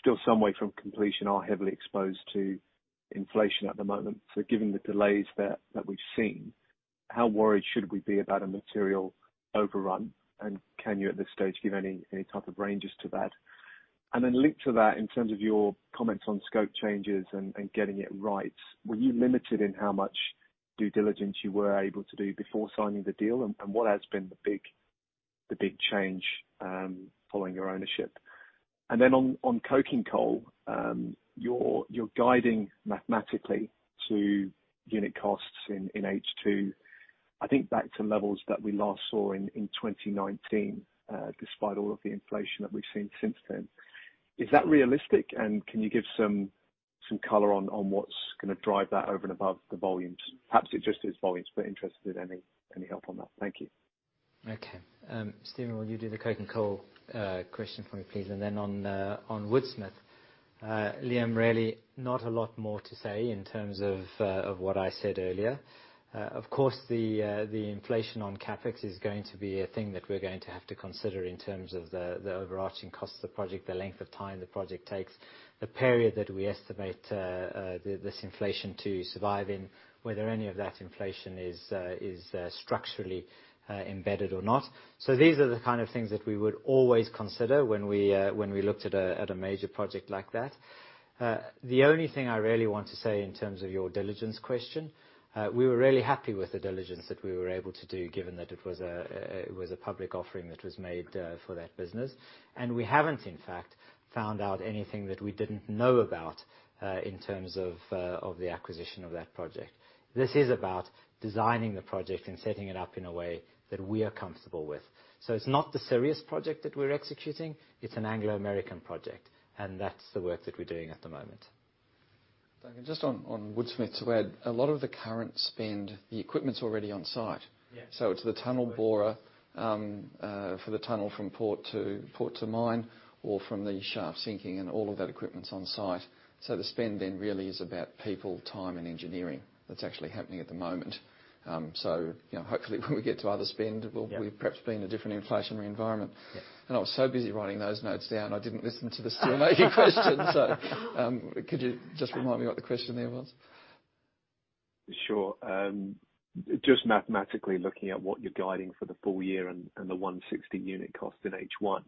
still some way from completion are heavily exposed to inflation at the moment. Given the delays that we've seen, how worried should we be about a material overrun? Can you, at this stage, give any type of ranges to that? Linked to that, in terms of your comments on scope changes and getting it right. Were you limited in how much due diligence you were able to do before signing the deal? What has been the big change following your ownership? Then on coking coal, you're guiding mathematically to unit costs in H2, I think back to levels that we last saw in 2019, despite all of the inflation that we've seen since then. Is that realistic? Can you give some color on what's gonna drive that over and above the volumes? Perhaps it just is volumes, but interested in any help on that. Thank you. Okay. Stephen, will you do the coking coal question for me, please? Then on Woodsmith. Liam, really not a lot more to say in terms of what I said earlier. Of course, the inflation on CapEx is going to be a thing that we're going to have to consider in terms of the overarching cost of the project, the length of time the project takes. The period that we estimate this inflation to survive in, whether any of that inflation is structurally embedded or not. These are the kind of things that we would always consider when we looked at a major project like that. The only thing I really want to say in terms of your diligence question, we were really happy with the diligence that we were able to do, given that it was a public offering that was made for that business. We haven't, in fact, found out anything that we didn't know about, in terms of of the acquisition of that project. This is about designing the project and setting it up in a way that we are comfortable with. It's not the Sirius project that we're executing, it's an Anglo American project, and that's the work that we're doing at the moment. Duncan, just on Woodsmith, where a lot of the current spend, the equipment's already on site. Yeah. It's the tunnel borer for the tunnel from port to mine or from the shaft sinking, and all of that equipment's on site. The spend then really is about people, time, and engineering that's actually happening at the moment. You know, hopefully when we get to other spend. Yeah. We'll perhaps be in a different inflationary environment. Yeah. I was so busy writing those notes down, I didn't listen to the Q&A question. Could you just remind me what the question there was? Sure. Just mathematically looking at what you're guiding for the full year and the 160 unit cost in H1,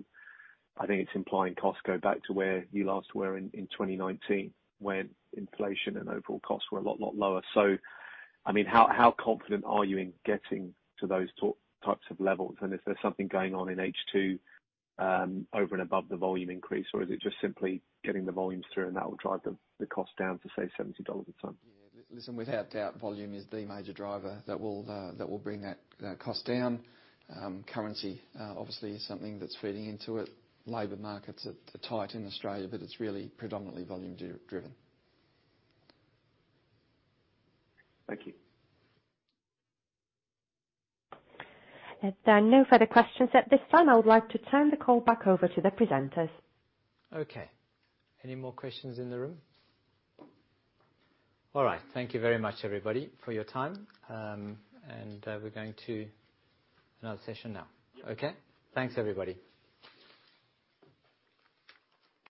I think it's implying costs go back to where you last were in 2019, when inflation and overall costs were a lot lower. I mean, how confident are you in getting to those types of levels? And if there's something going on in H2, over and above the volume increase, or is it just simply getting the volumes through, and that will drive the cost down to, say, $70 a ton? Yeah. Listen, without doubt, volume is the major driver that will bring that cost down. Currency obviously is something that's feeding into it. Labor markets are tight in Australia, but it's really predominantly volume driven. Thank you. There are no further questions at this time. I would like to turn the call back over to the presenters. Okay. Any more questions in the room? All right. Thank you very much, everybody, for your time. We're going to another session now. Yeah. Okay? Thanks, everybody.